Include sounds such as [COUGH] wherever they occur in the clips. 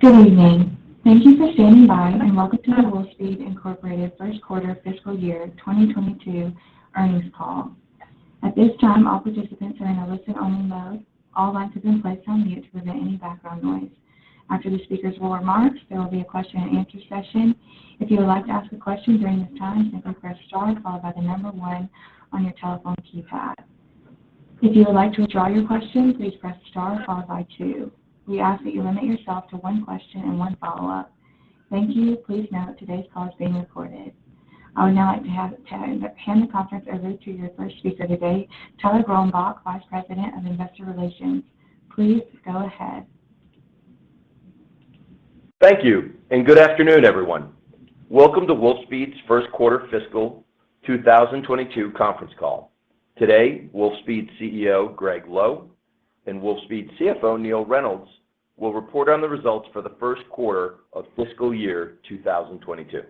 Good evening. Thank you for standing by, and welcome to the Wolfspeed, Inc. first quarter fiscal year 2022 earnings call. At this time, all participants are in a listen only mode. All lines have been placed on mute to prevent any background noise. After the speakers' remarks, there will be a question and answer session. If you would like to ask a question during this time, simply press star followed by the number one on your telephone keypad. If you would like to withdraw your question, please press star followed by two. We ask that you limit yourself to one question and one follow-up. Thank you. Please note that today's call is being recorded. I would now like to hand the conference over to your first speaker today, Tyler Gronbach, Vice President of Investor Relations. Please go ahead. Thank you, and good afternoon, everyone. Welcome to Wolfspeed's first quarter fiscal 2022 conference call. Today, Wolfspeed CEO Gregg Lowe and Wolfspeed CFO Neill Reynolds will report on the results for the first quarter of fiscal year 2022.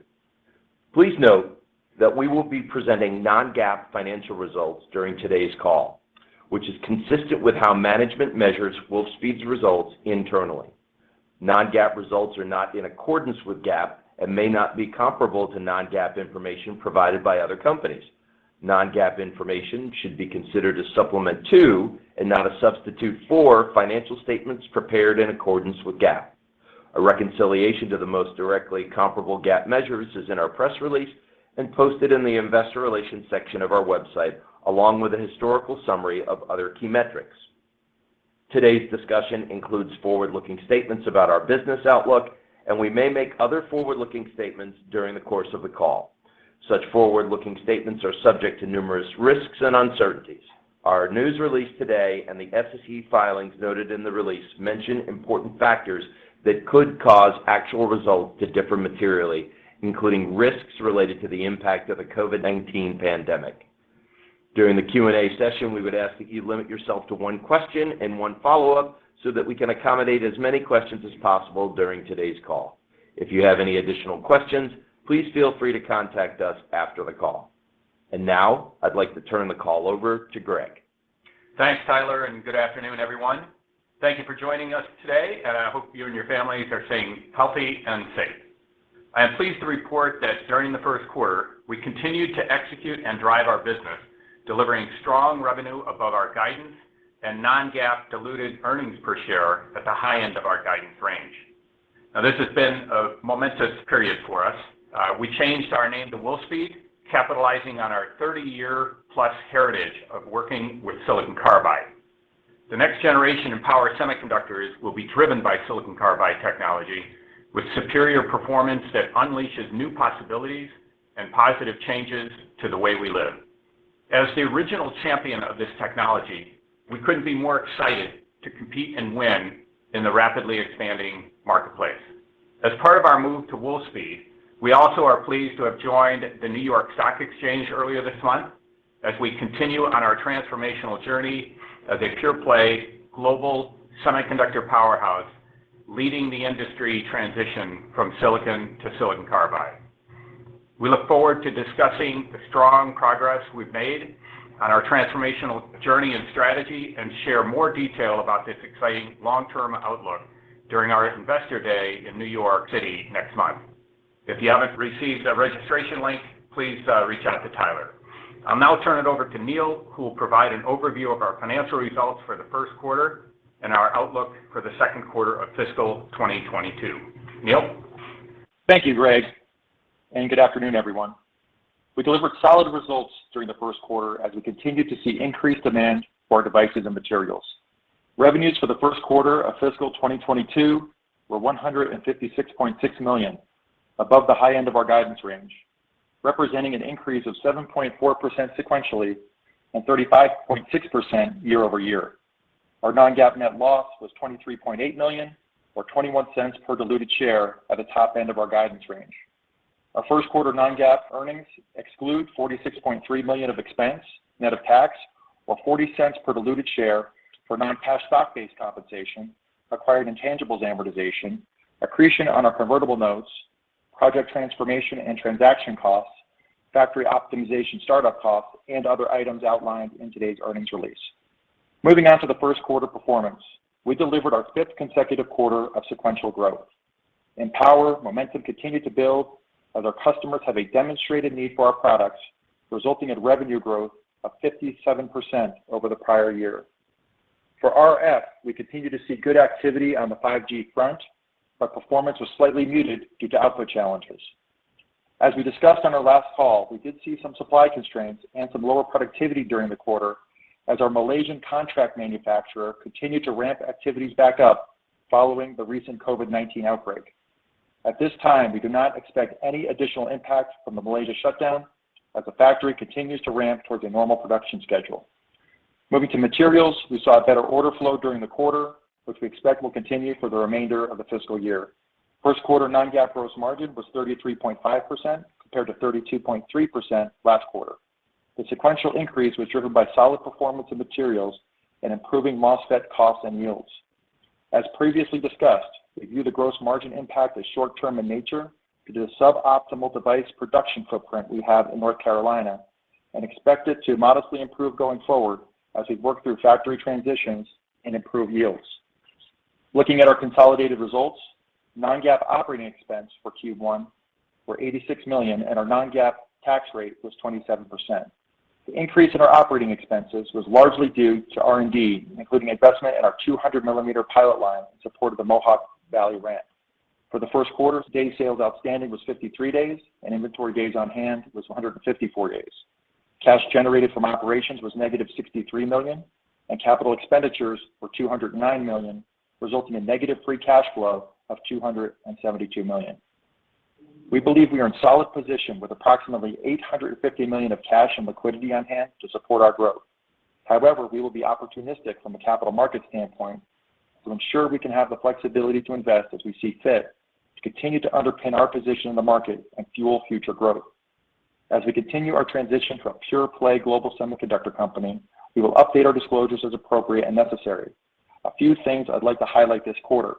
Please note that we will be presenting non-GAAP financial results during today's call, which is consistent with how management measures Wolfspeed's results internally. Non-GAAP results are not in accordance with GAAP and may not be comparable to non-GAAP information provided by other companies. Non-GAAP information should be considered as supplement to, and not a substitute for, financial statements prepared in accordance with GAAP. A reconciliation to the most directly comparable GAAP measures is in our press release and posted in the Investor Relations section of our website, along with a historical summary of other key metrics. Today's discussion includes forward-looking statements about our business outlook, and we may make other forward-looking statements during the course of the call. Such forward-looking statements are subject to numerous risks and uncertainties. Our news release today and the SEC filings noted in the release mention important factors that could cause actual results to differ materially, including risks related to the impact of the COVID-19 pandemic. During the Q&A session, we would ask that you limit yourself to one question and one follow-up so that we can accommodate as many questions as possible during today's call. If you have any additional questions, please feel free to contact us after the call. Now I'd like to turn the call over to Gregg. Thanks, Tyler, and good afternoon, everyone. Thank you for joining us today, and I hope you and your families are staying healthy and safe. I am pleased to report that during the first quarter, we continued to execute and drive our business, delivering strong revenue above our guidance and non-GAAP diluted earnings per share at the high end of our guidance range. Now, this has been a momentous period for us. We changed our name to Wolfspeed, capitalizing on our 30+ year heritage of working with silicon carbide. The next generation in power semiconductors will be driven by silicon carbide technology with superior performance that unleashes new possibilities and positive changes to the way we live. As the original champion of this technology, we couldn't be more excited to compete and win in the rapidly expanding marketplace. As part of our move to Wolfspeed, we also are pleased to have joined the New York Stock Exchange earlier this month as we continue on our transformational journey as a pure-play global semiconductor powerhouse, leading the industry transition from silicon to silicon carbide. We look forward to discussing the strong progress we've made on our transformational journey and strategy and share more detail about this exciting long-term outlook during our Investor Day in New York City next month. If you haven't received a registration link, please, reach out to Tyler. I'll now turn it over to Neill, who will provide an overview of our financial results for the first quarter and our outlook for the second quarter of fiscal 2022. Neill. Thank you, Gregg, and good afternoon, everyone. We delivered solid results during the first quarter as we continued to see increased demand for our devices and materials. Revenues for the first quarter of fiscal 2022 were $156.6 million, above the high end of our guidance range, representing an increase of 7.4% sequentially and 35.6% year-over-year. Our non-GAAP net loss was $23.8 million or $0.21 per diluted share at the top end of our guidance range. Our first quarter non-GAAP earnings exclude $46.3 million of expense, net of tax or $0.40 per diluted share for non-cash stock-based compensation, acquired intangibles amortization, accretion on our convertible notes, project transformation and transaction costs, factory optimization startup costs, and other items outlined in today's earnings release. Moving on to the first quarter performance. We delivered our fifth consecutive quarter of sequential growth. In power, momentum continued to build as our customers have a demonstrated need for our products, resulting in revenue growth of 57% over the prior year. For RF, we continued to see good activity on the 5G front, but performance was slightly muted due to output challenges. As we discussed on our last call, we did see some supply constraints and some lower productivity during the quarter as our Malaysian contract manufacturer continued to ramp activities back up following the recent COVID-19 outbreak. At this time, we do not expect any additional impact from the Malaysia shutdown as the factory continues to ramp towards a normal production schedule. Moving to materials, we saw a better order flow during the quarter, which we expect will continue for the remainder of the fiscal year. First quarter non-GAAP gross margin was 33.5% compared to 32.3% last quarter. The sequential increase was driven by solid performance in materials and improving MOSFET costs and yields. As previously discussed, we view the gross margin impact as short term in nature due to the suboptimal device production footprint we have in North Carolina. Expect it to modestly improve going forward as we work through factory transitions and improve yields. Looking at our consolidated results, non-GAAP operating expense for Q1 were $86 million, and our non-GAAP tax rate was 27%. The increase in our operating expenses was largely due to R&D, including investment in our 200 mm pilot line in support of the Mohawk Valley ramp. For the first quarter, day sales outstanding was 53 days, and inventory days on hand was 154 days. Cash generated from operations was negative $63 million, and capital expenditures were $209 million, resulting in negative free cash flow of $272 million. We believe we are in solid position with approximately $850 million of cash and liquidity on hand to support our growth. However, we will be opportunistic from a capital market standpoint to ensure we can have the flexibility to invest as we see fit to continue to underpin our position in the market and fuel future growth. As we continue our transition to a pure-play global semiconductor company, we will update our disclosures as appropriate and necessary. A few things I'd like to highlight this quarter.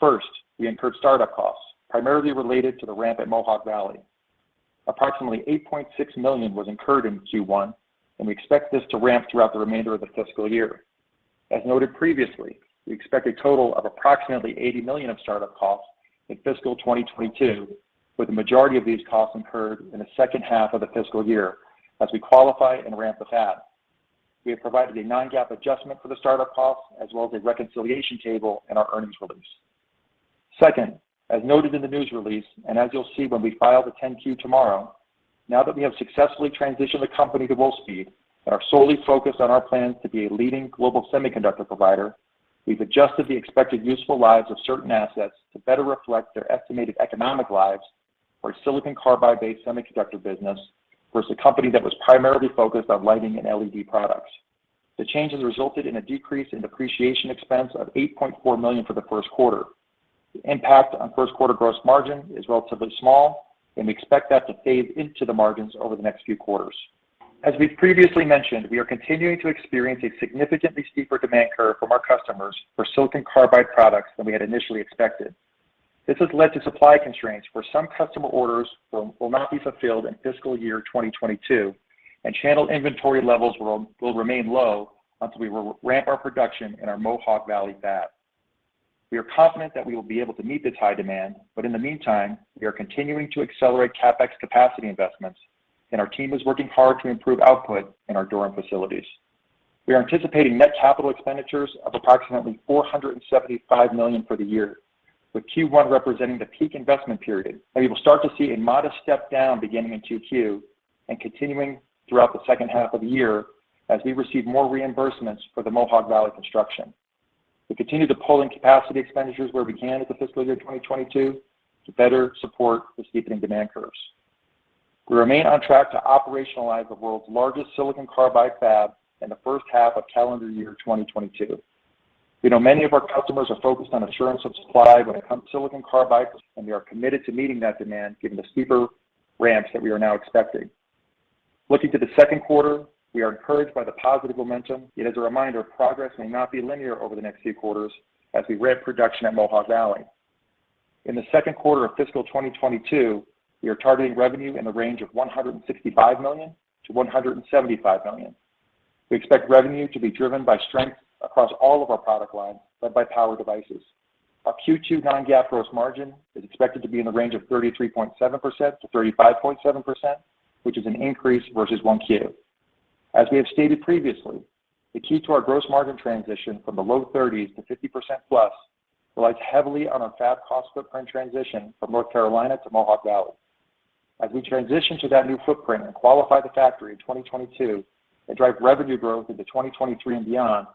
First, we incurred startup costs, primarily related to the ramp at Mohawk Valley. Approximately $8.6 million was incurred in Q1, and we expect this to ramp throughout the remainder of the fiscal year. As noted previously, we expect a total of approximately $80 million of startup costs in fiscal 2022, with the majority of these costs incurred in the second half of the fiscal year as we qualify and ramp the fab. We have provided a non-GAAP adjustment for the startup costs as well as a reconciliation table in our earnings release. Second, as noted in the news release, and as you'll see when we file the 10-Q tomorrow, now that we have successfully transitioned the company to Wolfspeed and are solely focused on our plans to be a leading global semiconductor provider, we've adjusted the expected useful lives of certain assets to better reflect their estimated economic lives for a silicon carbide-based semiconductor business versus a company that was primarily focused on lighting and LED products. The changes resulted in a decrease in depreciation expense of $8.4 million for the first quarter. The impact on first quarter gross margin is relatively small, and we expect that to phase into the margins over the next few quarters. As we've previously mentioned, we are continuing to experience a significantly steeper demand curve from our customers for silicon carbide products than we had initially expected. This has led to supply constraints where some customer orders will not be fulfilled in fiscal year 2022, and channel inventory levels will remain low until we ramp our production in our Mohawk Valley fab. We are confident that we will be able to meet this high demand, but in the meantime, we are continuing to accelerate CapEx capacity investments, and our team is working hard to improve output in our Durham facilities. We are anticipating net capital expenditures of approximately $475 million for the year, with Q1 representing the peak investment period, and we will start to see a modest step down beginning in Q2 and continuing throughout the second half of the year as we receive more reimbursements for the Mohawk Valley construction. We continue to pull in capacity expenditures where we can into fiscal year 2022 to better support the steepening demand curves. We remain on track to operationalize the world's largest silicon carbide fab in the first half of calendar year 2022. We know many of our customers are focused on assurance of supply when it comes to silicon carbide, and we are committed to meeting that demand given the steeper ramps that we are now expecting. Looking to the second quarter, we are encouraged by the positive momentum, yet as a reminder, progress may not be linear over the next few quarters as we ramp production at Mohawk Valley. In the second quarter of fiscal 2022, we are targeting revenue in the range of $165 million-$175 million. We expect revenue to be driven by strength across all of our product lines, led by power devices. Our Q2 non-GAAP gross margin is expected to be in the range of 33.7%-35.7%, which is an increase versus Q1. As we have stated previously, the key to our gross margin transition from the low 30s to 50%+ relies heavily on our fab cost footprint transition from North Carolina to Mohawk Valley. As we transition to that new footprint and qualify the factory in 2022 and drive revenue growth into 2023 and beyond,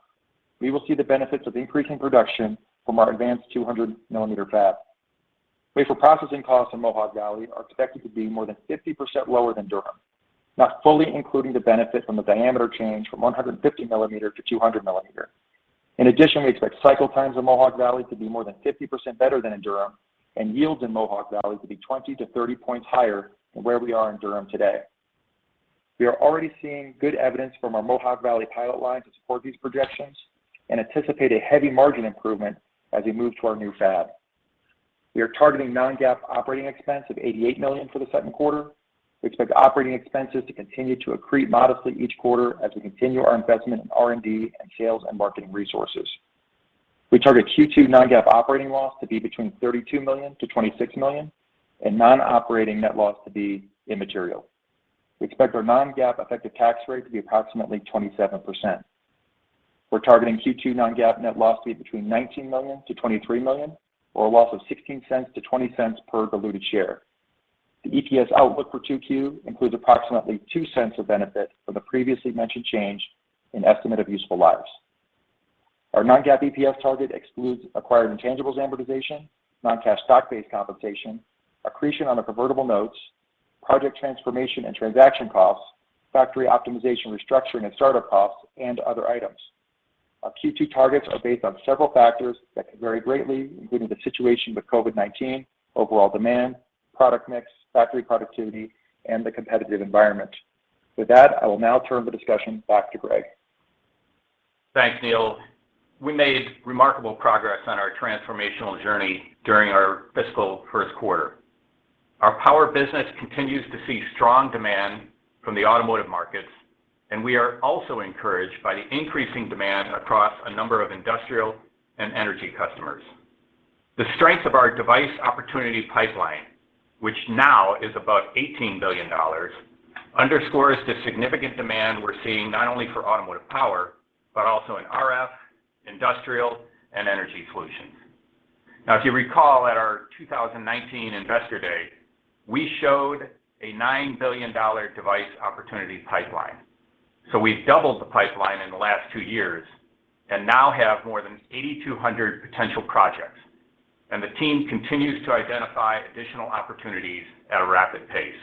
we will see the benefits of increasing production from our advanced 200 mm fab. Wafer processing costs in Mohawk Valley are expected to be more than 50% lower than Durham, not fully including the benefit from the diameter change from 150 mm to 200 mm. In addition, we expect cycle times in Mohawk Valley to be more than 50% better than in Durham, and yields in Mohawk Valley to be 20-30 points higher than where we are in Durham today. We are already seeing good evidence from our Mohawk Valley pilot line to support these projections and anticipate a heavy margin improvement as we move to our new fab. We are targeting non-GAAP operating expense of $88 million for the second quarter. We expect operating expenses to continue to accrete modestly each quarter as we continue our investment in R&D and sales and marketing resources. We target Q2 non-GAAP operating loss to be between $32 million-$26 million and non-operating net loss to be immaterial. We expect our non-GAAP effective tax rate to be approximately 27%. We're targeting Q2 non-GAAP net loss to be between $19 million-$23 million or a loss of $0.16-$0.20 per diluted share. The EPS outlook for Q2 includes approximately $0.02 of benefit from the previously mentioned change in estimate of useful lives. Our non-GAAP EPS target excludes acquired intangibles amortization, non-cash stock-based compensation, accretion on the convertible notes, project transformation and transaction costs, factory optimization, restructuring, and startup costs, and other items. Our Q2 targets are based on several factors that could vary greatly, including the situation with COVID-19, overall demand, product mix, factory productivity, and the competitive environment. With that, I will now turn the discussion back to Gregg. Thanks, Neill. We made remarkable progress on our transformational journey during our fiscal first quarter. Our power business continues to see strong demand from the automotive markets, and we are also encouraged by the increasing demand across a number of industrial and energy customers. The strength of our device opportunity pipeline, which now is about $18 billion, underscores the significant demand we're seeing not only for automotive power, but also in RF, industrial, and energy solutions. Now, if you recall at our 2019 Investor Day, we showed a $9 billion device opportunity pipeline. So we've doubled the pipeline in the last two years and now have more than 8,200 potential projects. The team continues to identify additional opportunities at a rapid pace.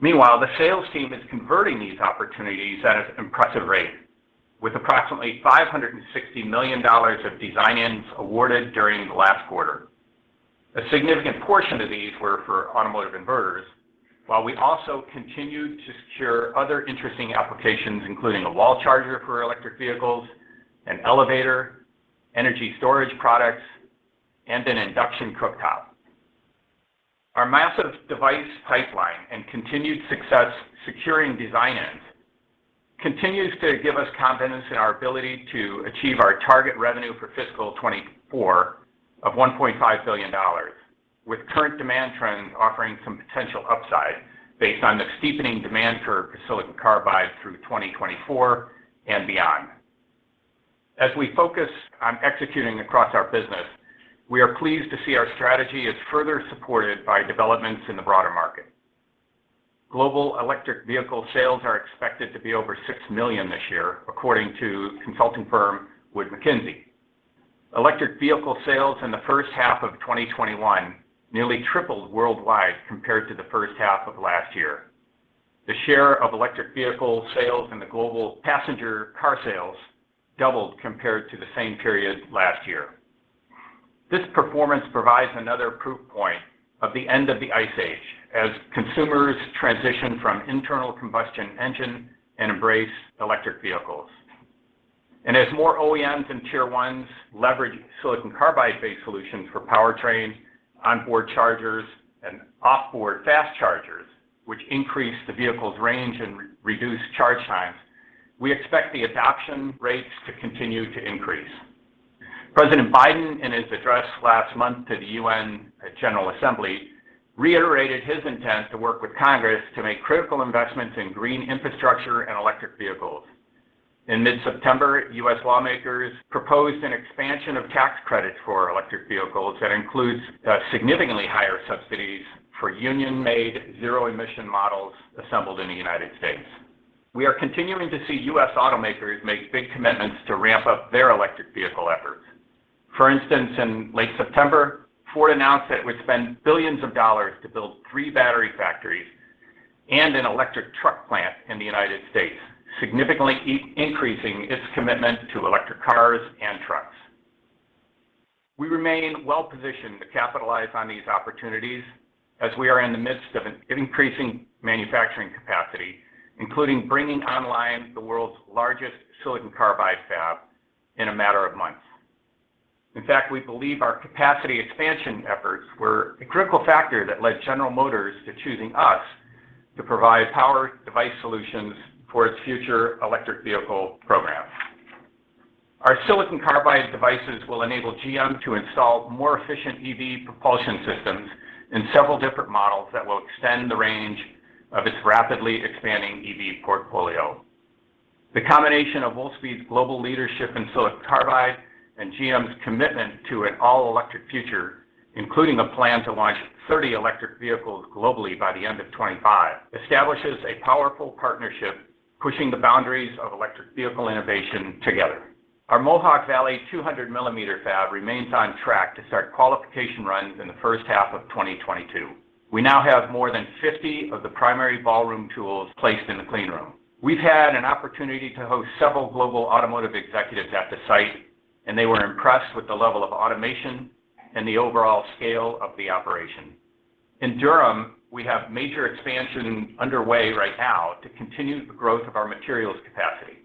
Meanwhile, the sales team is converting these opportunities at an impressive rate with approximately $560 million of design-ins awarded during the last quarter. A significant portion of these were for automotive inverters, while we also continued to secure other interesting applications, including a wall charger for electric vehicles, an elevator, energy storage products, and an induction cooktop. Our massive device pipeline and continued success securing design-ins continues to give us confidence in our ability to achieve our target revenue for fiscal 2024 of $1.5 billion, with current demand trends offering some potential upside based on the steepening demand for silicon carbide through 2024 and beyond. As we focus on executing across our business, we are pleased to see our strategy is further supported by developments in the broader market. Global electric vehicle sales are expected to be over 6 million this year, according to consulting firm Wood Mackenzie. Electric vehicle sales in the first half of 2021 nearly tripled worldwide compared to the first half of last year. The share of electric vehicle sales in the global passenger car sales doubled compared to the same period last year. This performance provides another proof point of the end of the ICE Age as consumers transition from internal combustion engine and embrace electric vehicles. As more OEMs and Tier Ones leverage silicon carbide-based solutions for powertrains, onboard chargers, and off-board fast chargers, which increase the vehicle's range and reduce charge times, we expect the adoption rates to continue to increase. President Biden, in his address last month to the United Nations General Assembly, reiterated his intent to work with Congress to make critical investments in green infrastructure and electric vehicles. In mid-September, U.S. lawmakers proposed an expansion of tax credits for electric vehicles that includes significantly higher subsidies for union-made zero-emission models assembled in the United States. We are continuing to see U.S. automakers make big commitments to ramp up their electric vehicle efforts. For instance, in late September, Ford announced that it would spend $ billions to build three battery factories and an electric truck plant in the United States, significantly increasing its commitment to electric cars and trucks. We remain well-positioned to capitalize on these opportunities as we are in the midst of increasing manufacturing capacity, including bringing online the world's largest silicon carbide fab in a matter of months. In fact, we believe our capacity expansion efforts were a critical factor that led General Motors to choosing us to provide power device solutions for its future electric vehicle programs. Our silicon carbide devices will enable GM to install more efficient EV propulsion systems in several different models that will extend the range of its rapidly expanding EV portfolio. The combination of Wolfspeed's global leadership in silicon carbide and GM's commitment to an all-electric future, including a plan to launch 30 electric vehicles globally by the end of 2025, establishes a powerful partnership, pushing the boundaries of electric vehicle innovation together. Our Mohawk Valley 200 mm fab remains on track to start qualification runs in the first half of 2022. We now have more than 50 of the primary ballroom tools placed in the clean room. We've had an opportunity to host several global automotive executives at the site, and they were impressed with the level of automation and the overall scale of the operation. In Durham, we have major expansion underway right now to continue the growth of our materials capacity.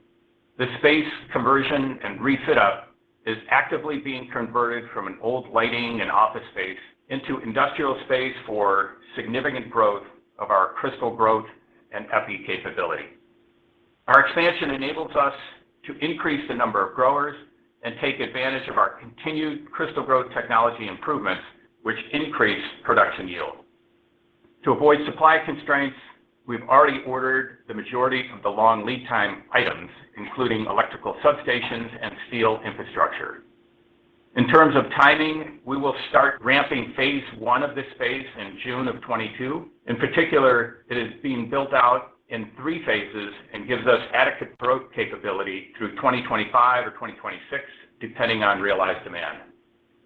The space conversion and refit-up is actively being converted from an old lighting and office space into industrial space for significant growth of our crystal growth and FE capability. Our expansion enables us to increase the number of growers and take advantage of our continued crystal growth technology improvements, which increase production yield. To avoid supply constraints, we've already ordered the majority of the long lead time items, including electrical substations and steel infrastructure. In terms of timing, we will start ramping phase one of this phase in June of 2022. In particular, it is being built out in three phases and gives us adequate growth capability through 2025 or 2026, depending on realized demand.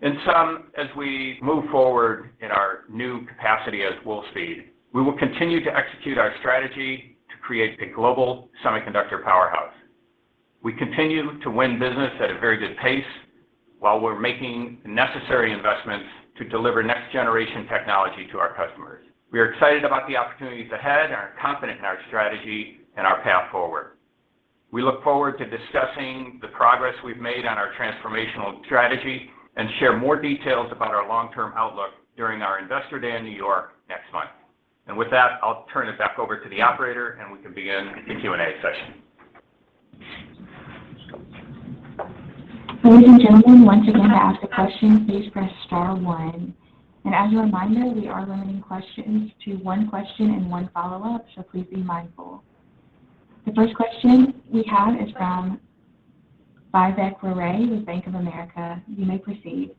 In sum, as we move forward in our new capacity as Wolfspeed, we will continue to execute our strategy to create a global semiconductor powerhouse. We continue to win business at a very good pace. While we're making necessary investments to deliver next-generation technology to our customers. We are excited about the opportunities ahead and are confident in our strategy and our path forward. We look forward to discussing the progress we've made on our transformational strategy and share more details about our long-term outlook during our Investor Day in New York next month. With that, I'll turn it back over to the operator, and we can begin the Q&A session. Ladies and gentlemen, once again, to ask a question, please press star one. As a reminder, we are limiting questions to one question and one follow-up, so please be mindful. The first question we have is from Vivek Arya with Bank of America. You may proceed.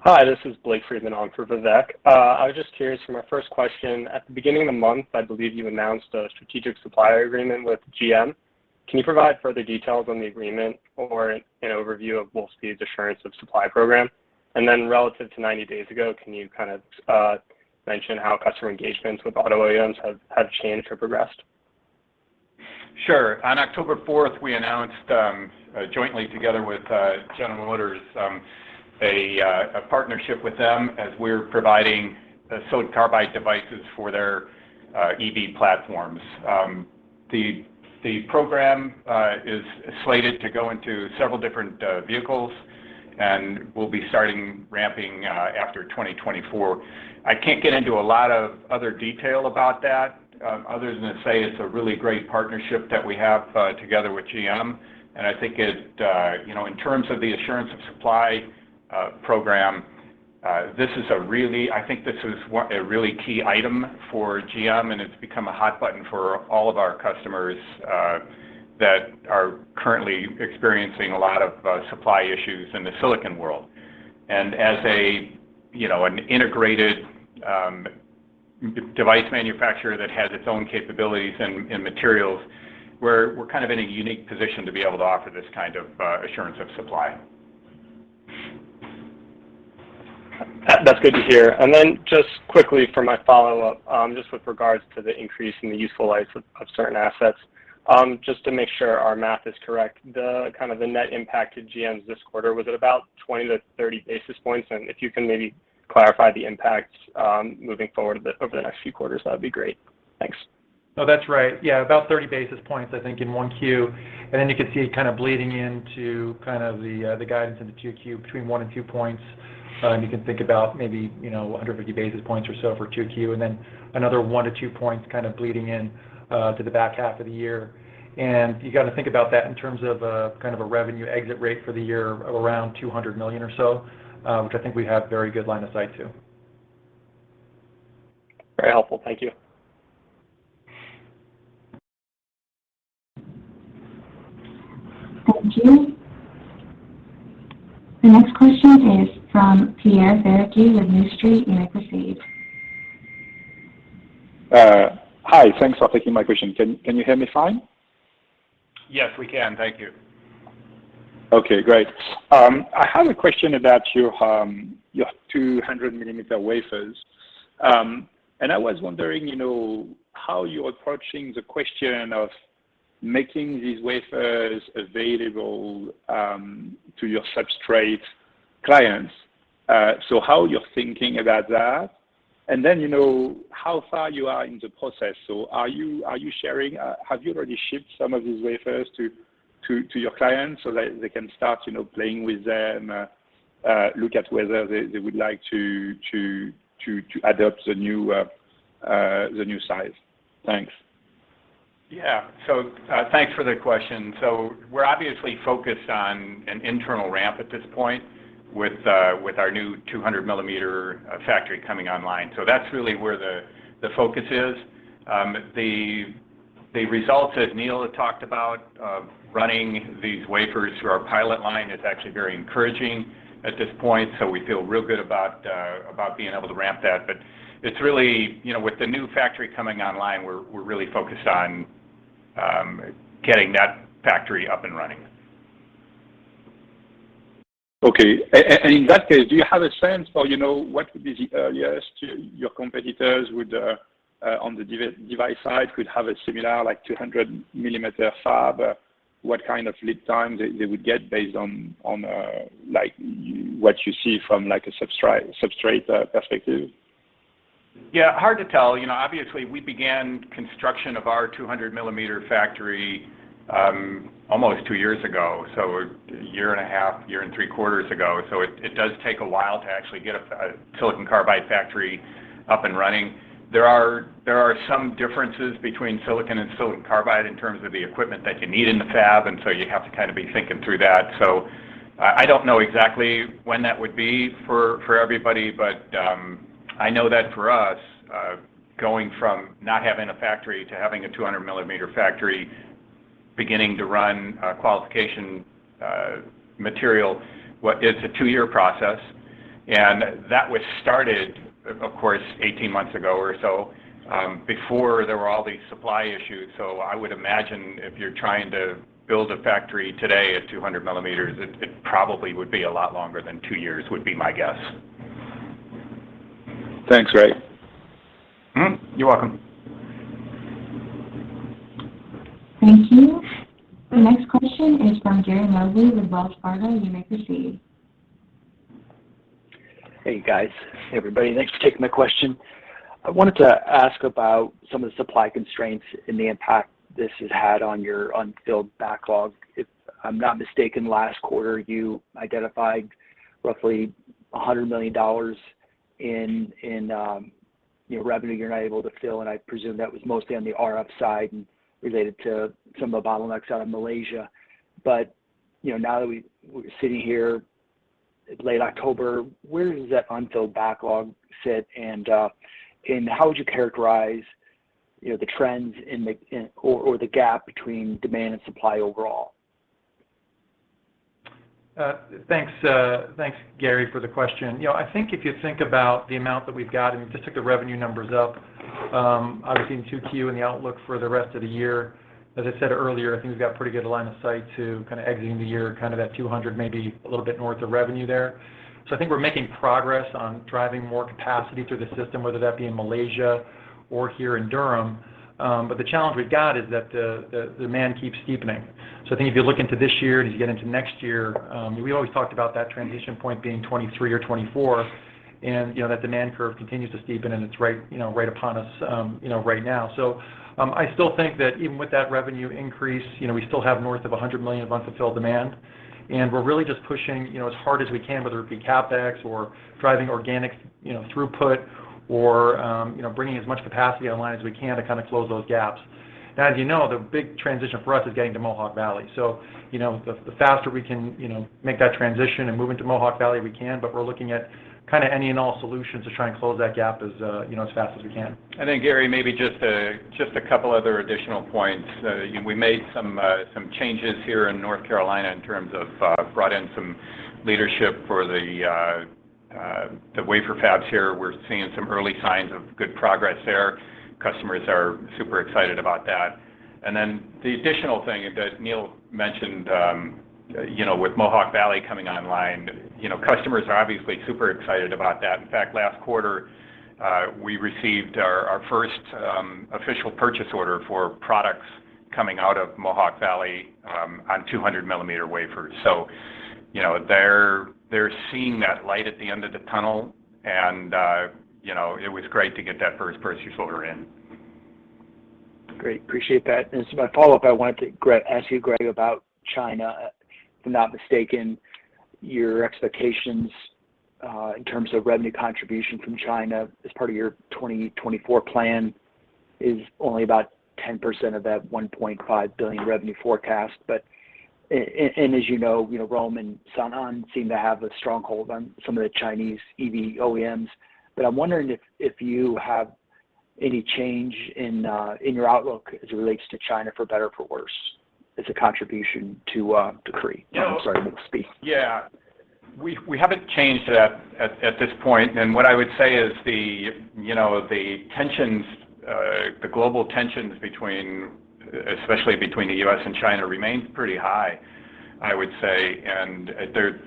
Hi, this is Blake Freeman on for Vivek. I was just curious for my first question, at the beginning of the month, I believe you announced a strategic supplier agreement with GM. Can you provide further details on the agreement or an overview of Wolfspeed's assurance of supply program? Relative to 90 days ago, can you kind of mention how customer engagements with auto OEMs have changed or progressed? Sure. On October 4th, we announced jointly together with General Motors a partnership with them as we're providing silicon carbide devices for their EV platforms. The program is slated to go into several different vehicles, and we'll be starting ramping after 2024. I can't get into a lot of other detail about that other than to say it's a really great partnership that we have together with GM, and I think it you know in terms of the assurance of supply program this is a really key item for GM, and it's become a hot button for all of our customers that are currently experiencing a lot of supply issues in the silicon world. As a, you know, an integrated device manufacturer that has its own capabilities and materials, we're kind of in a unique position to be able to offer this kind of assurance of supply. That's good to hear. Just quickly for my follow-up, just with regards to the increase in the useful life of certain assets, just to make sure our math is correct, the net impact to GM this quarter was at about 20-30 basis points, and if you can maybe clarify the impact moving forward over the next few quarters, that'd be great. Thanks. No, that's right. Yeah, about 30 basis points I think in 1Q, and then you could see it kind of bleeding into the guidance into 2Q between one and two points. You can think about maybe, you know, 150 basis points or so for 2Q, and then another one to two points kind of bleeding in to the back half of the year. You got to think about that in terms of a revenue exit rate for the year of around $200 million or so, which I think we have very good line of sight to. Very helpful. Thank you. Thank you. The next question is from Pierre Ferragu with New Street. You may proceed. Hi. Thanks for taking my question. Can you hear me fine? Yes, we can. Thank you. Okay, great. I have a question about your 200 mm wafers. I was wondering, you know, how you're approaching the question of making these wafers available to your substrate clients. How you're thinking about that, and then, you know, how far you are in the process. Have you already shipped some of these wafers to your clients so that they can start, you know, playing with them, look at whether they would like to adopt the new size? Thanks. Yeah. Thanks for the question. We're obviously focused on an internal ramp at this point with our new 200 mm factory coming online. That's really where the focus is. The results, as Neill had talked about, of running these wafers through our pilot line is actually very encouraging at this point. We feel real good about being able to ramp that. It's really, you know, with the new factory coming online, we're really focused on getting that factory up and running. Okay. In that case, do you have a sense for, you know, what could be the earliest your competitors would on the device side could have a similar like 200 mm fab? What kind of lead time they would get based on, like what you see from like a substrate perspective? Yeah, hard to tell. You know, obviously, we began construction of our 200 mm factory almost two years ago, so a year and a half, a year and three quarters ago. It does take a while to actually get a silicon carbide factory up and running. There are some differences between silicon and silicon carbide in terms of the equipment that you need in the fab, and so you have to kind of be thinking through that. I don't know exactly when that would be for everybody, but I know that for us, going from not having a factory to having a 200 mm factory beginning to run qualification material. It's a two-year process, and that was started, of course, 18 months ago or so, before there were all these supply issues. I would imagine if you're trying to build a factory today at 200 mm, it probably would be a lot longer than two years, would be my guess. Thanks, Gregg. You're welcome. Thank you. The next question is from Gary Mobley with Wells Fargo. You may proceed. Hey, guys. Hey, everybody. Thanks for taking my question. I wanted to ask about some of the supply constraints and the impact this has had on your unfilled backlog. If I'm not mistaken, last quarter, you identified roughly $100 million in revenue you're not able to fill, and I presume that was mostly on the RF side and related to some of the bottlenecks out of Malaysia. Now that we're sitting here late October, where does that unfilled backlog sit, and how would you characterize the trends or the gap between demand and supply overall? Thanks, Gary for the question. You know, I think if you think about the amount that we've got, and we just took the revenue numbers up, obviously in 2Q and the outlook for the rest of the year, as I said earlier, I think we've got pretty good line of sight to kind of exiting the year kind of at $200, maybe a little bit north of revenue there. I think we're making progress on driving more capacity through the system, whether that be in Malaysia or here in Durham. The challenge we've got is that the demand keeps steepening. I think if you look into this year and as you get into next year, we always talked about that transition point being 2023 or 2024, and, you know, that demand curve continues to steepen, and it's right, you know, right upon us, you know, right now. I still think that even with that revenue increase, you know, we still have north of $100 million of unfilled demand, and we're really just pushing, you know, as hard as we can, whether it be CapEx or driving organic, you know, throughput or, you know, bringing as much capacity online as we can to kind of close those gaps. Now, as you know, the big transition for us is getting to Mohawk Valley. You know, the faster we can make that transition and move into Mohawk Valley, but we're looking at kind of any and all solutions to try and close that gap as you know, as fast as we can. I think, Gary, maybe just a couple other additional points. You know, we made some changes here in North Carolina in terms of brought in some leadership for the wafer fabs here. We're seeing some early signs of good progress there. Customers are super excited about that. Then the additional thing that Neill mentioned, you know, with Mohawk Valley coming online, you know, customers are obviously super excited about that. In fact, last quarter, we received our first official purchase order for products coming out of Mohawk Valley on 200 mm wafers. You know, they're seeing that light at the end of the tunnel, and you know, it was great to get that first purchase order in. Great. Appreciate that. My follow-up, I wanted to ask you, Gregg, about China. If I'm not mistaken, your expectations in terms of revenue contribution from China as part of your 2024 plan is only about 10% of that $1.5 billion revenue forecast. As you know, you know, ROHM and Sanan seem to have a stronghold on some of the Chinese EV OEMs. I'm wondering if you have any change in your outlook as it relates to China for better or for worse as a contribution to Cree. I'm sorry, misspeak. No. Yeah. We haven't changed that at this point. What I would say is the, you know, the tensions, the global tensions between, especially between the U.S. and China remains pretty high, I would say. There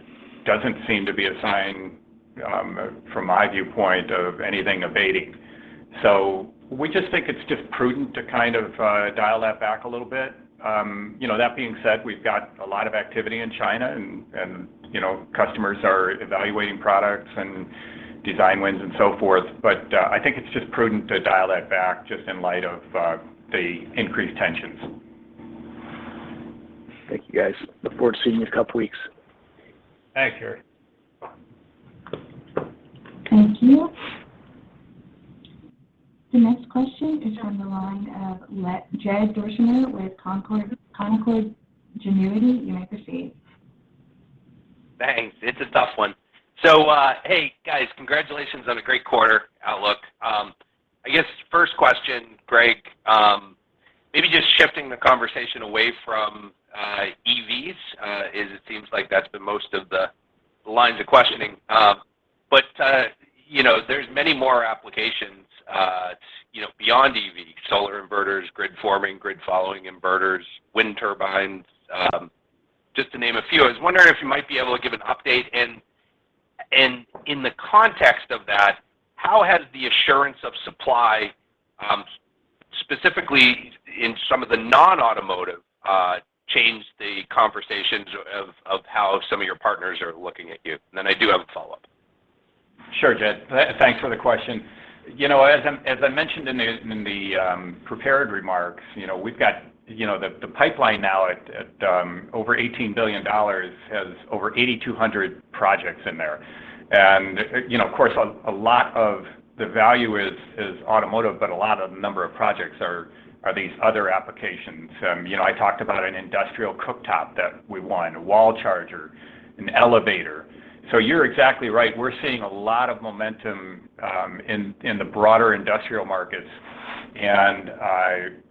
doesn't seem to be a sign from my viewpoint of anything abating. We just think it's just prudent to kind of dial that back a little bit. You know, that being said, we've got a lot of activity in China, and, you know, customers are evaluating products and design wins and so forth. I think it's just prudent to dial that back just in light of the increased tensions. Thank you, guys. Look forward to seeing you in a couple weeks. Thanks, Gary. Thank you. The next question is from the line of Jed Dorsheimer with Canaccord Genuity. You may proceed. Thanks. It's a tough one. Hey, guys, congratulations on a great quarter outlook. I guess first question, Gregg, maybe just shifting the conversation away from EVs. It seems like that's been most of the lines of questioning. You know, there's many more applications, you know, beyond EV, solar inverters, grid forming, grid following inverters, wind turbines, just to name a few. I was wondering if you might be able to give an update, and in the context of that, how has the assurance of supply, specifically in some of the non-automotive, changed the conversations of how some of your partners are looking at you? Then I do have a follow-up. Sure, Jed. Thanks for the question. You know, as I mentioned in the prepared remarks, you know, we've got the pipeline now at over $18 billion, has over 8,200 projects in there. You know, of course, a lot of the value is automotive, but a lot of the number of projects are these other applications. You know, I talked about an industrial cooktop that we won, a wall charger, an elevator. You're exactly right. We're seeing a lot of momentum in the broader industrial markets.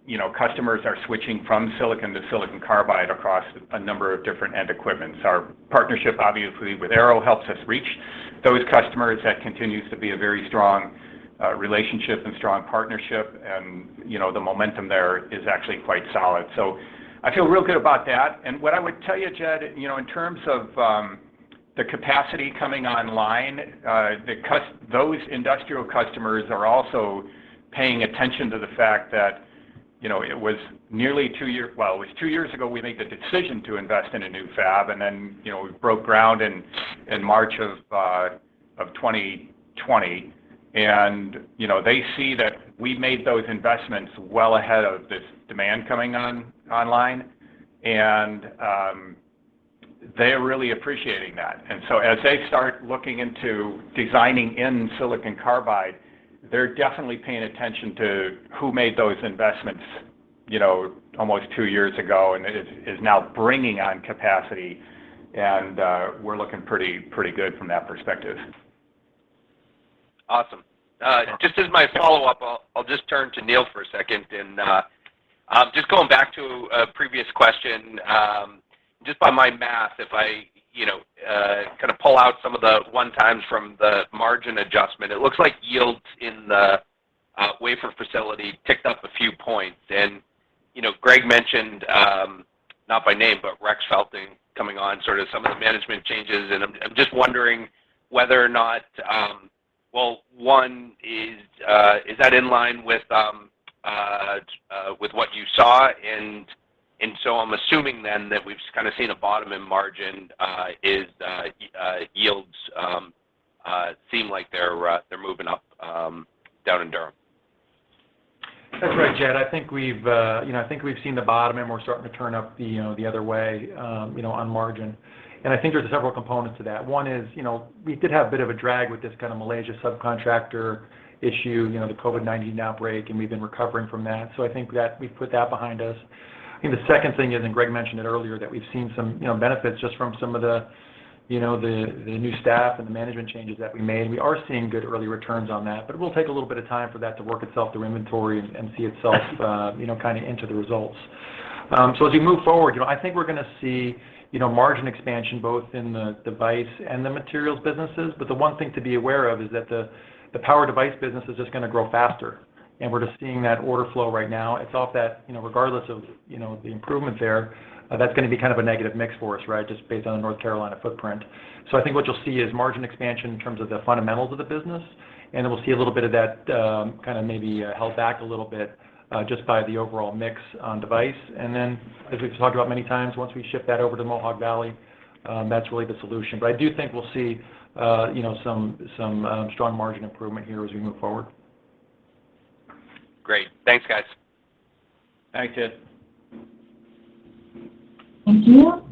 You know, customers are switching from silicon to silicon carbide across a number of different end equipments. Our partnership, obviously, with Arrow helps us reach those customers. That continues to be a very strong relationship and strong partnership. You know, the momentum there is actually quite solid. I feel real good about that. What I would tell you, Jed, you know, in terms of the capacity coming online, those industrial customers are also paying attention to the fact that, you know, it was nearly two years. Well, it was two years ago we made the decision to invest in a new fab, and then, you know, we broke ground in March of 2020. You know, they see that we made those investments well ahead of this demand coming online, and they're really appreciating that. As they start looking into designing in silicon carbide, they're definitely paying attention to who made those investments, you know, almost two years ago, and is now bringing on capacity. We're looking pretty good from that perspective. Awesome. Sure. Just as my follow-up, I'll just turn to Neill for a second. Just going back to a previous question, just by my math, if I, you know, kind of pull out some of the one-times from the margin adjustment, it looks like yields in the wafer facility ticked up a few points. You know, Gregg mentioned not by name, but Rex Felton coming on, sort of some of the management changes, and I'm just wondering whether or not. Well, one is that in line with what you saw? I'm assuming then that we've kind of seen a bottom in margin as yields seem like they're moving up down in Durham. That's right, Jed. I think we've, you know, I think we've seen the bottom, and we're starting to turn up the, you know, the other way, you know, on margin. I think there's several components to that. One is, you know, we did have a bit of a drag with this kind of Malaysia subcontractor issue, you know, the COVID-19 outbreak, and we've been recovering from that. I think that we've put that behind us. I think the second thing is, and Gregg mentioned it earlier, that we've seen some, you know, benefits just from some of the, you know, the new staff and the management changes that we made. We are seeing good early returns on that, but it will take a little bit of time for that to work itself through inventory and see itself, you know, kind of enter the results. As we move forward, you know, I think we're gonna see, you know, margin expansion both in the device and the materials businesses. The one thing to be aware of is that the power device business is just gonna grow faster, and we're just seeing that order flow right now. It's off that, you know, regardless of, you know, the improvements there, that's gonna be kind of a negative mix for us, right, just based on the North Carolina footprint. I think what you'll see is margin expansion in terms of the fundamentals of the business, and then we'll see a little bit of that, kind of maybe, held back a little bit, just by the overall mix on device. And then as we've talked about many times, once we ship that over to Mohawk Valley, that's really the solution. I do think we'll see, you know, some strong margin improvement here as we move forward. Great. Thanks, guys. Thanks, Jed. Thank you.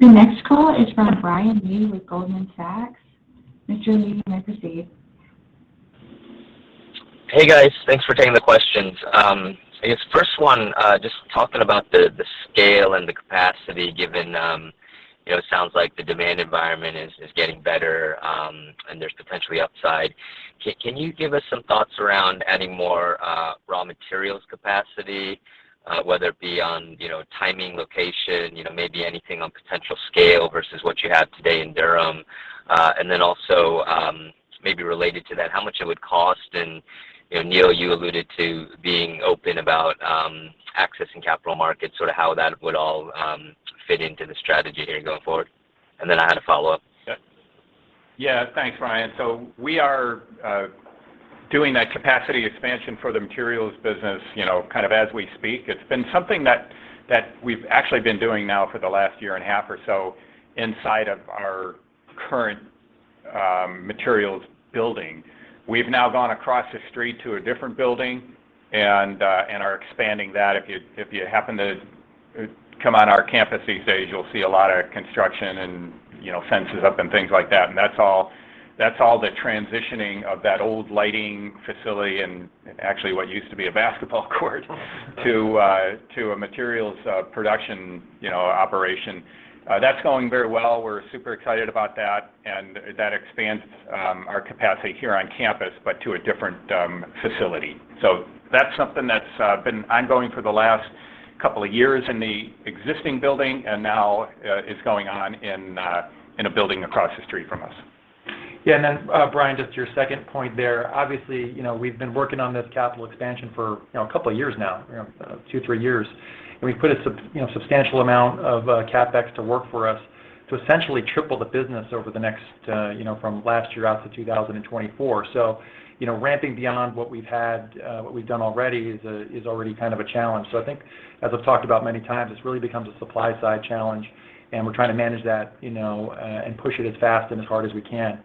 The next call is from Brian Lee with Goldman Sachs. Mr. Lee, you may proceed. Hey, guys. Thanks for taking the questions. I guess first one, just talking about the scale and the capacity, given you know, it sounds like the demand environment is getting better, and there's potentially upside. Can you give us some thoughts around adding more raw materials capacity, whether it be on, you know, timing, location, you know, maybe anything on potential scale versus what you have today in Durham? And then also, maybe related to that, how much it would cost, and, you know, Neill, you alluded to being open about accessing capital markets, sort of how that would all fit into the strategy here going forward. I had a follow-up. Yeah. Yeah. Thanks, Brian. We are doing that capacity expansion for the materials business, you know, kind of as we speak. It's been something that we've actually been doing now for the last year and a half or so inside of our current materials building. We've now gone across the street to a different building and are expanding that. If you happen to come on our campus these days, you'll see a lot of construction and, you know, fences up and things like that, and that's all the transitioning of that old lighting facility and actually what used to be a basketball court to a materials production, you know, operation. That's going very well. We're super excited about that, and that expands our capacity here on campus, but to a different facility. That's something that's been ongoing for the last couple of years in the existing building and now is going on in a building across the street from us. Yeah, Brian, just to your second point there, obviously, you know, we've been working on this capital expansion for, you know, a couple of years now, you know, two to three years. We've put a substantial amount of CapEx to work for us to essentially triple the business over the next, you know, from last year out to 2024. You know, ramping beyond what we've done already is already kind of a challenge. I think as I've talked about many times, this really becomes a supply side challenge, and we're trying to manage that, you know, and push it as fast and as hard as we can.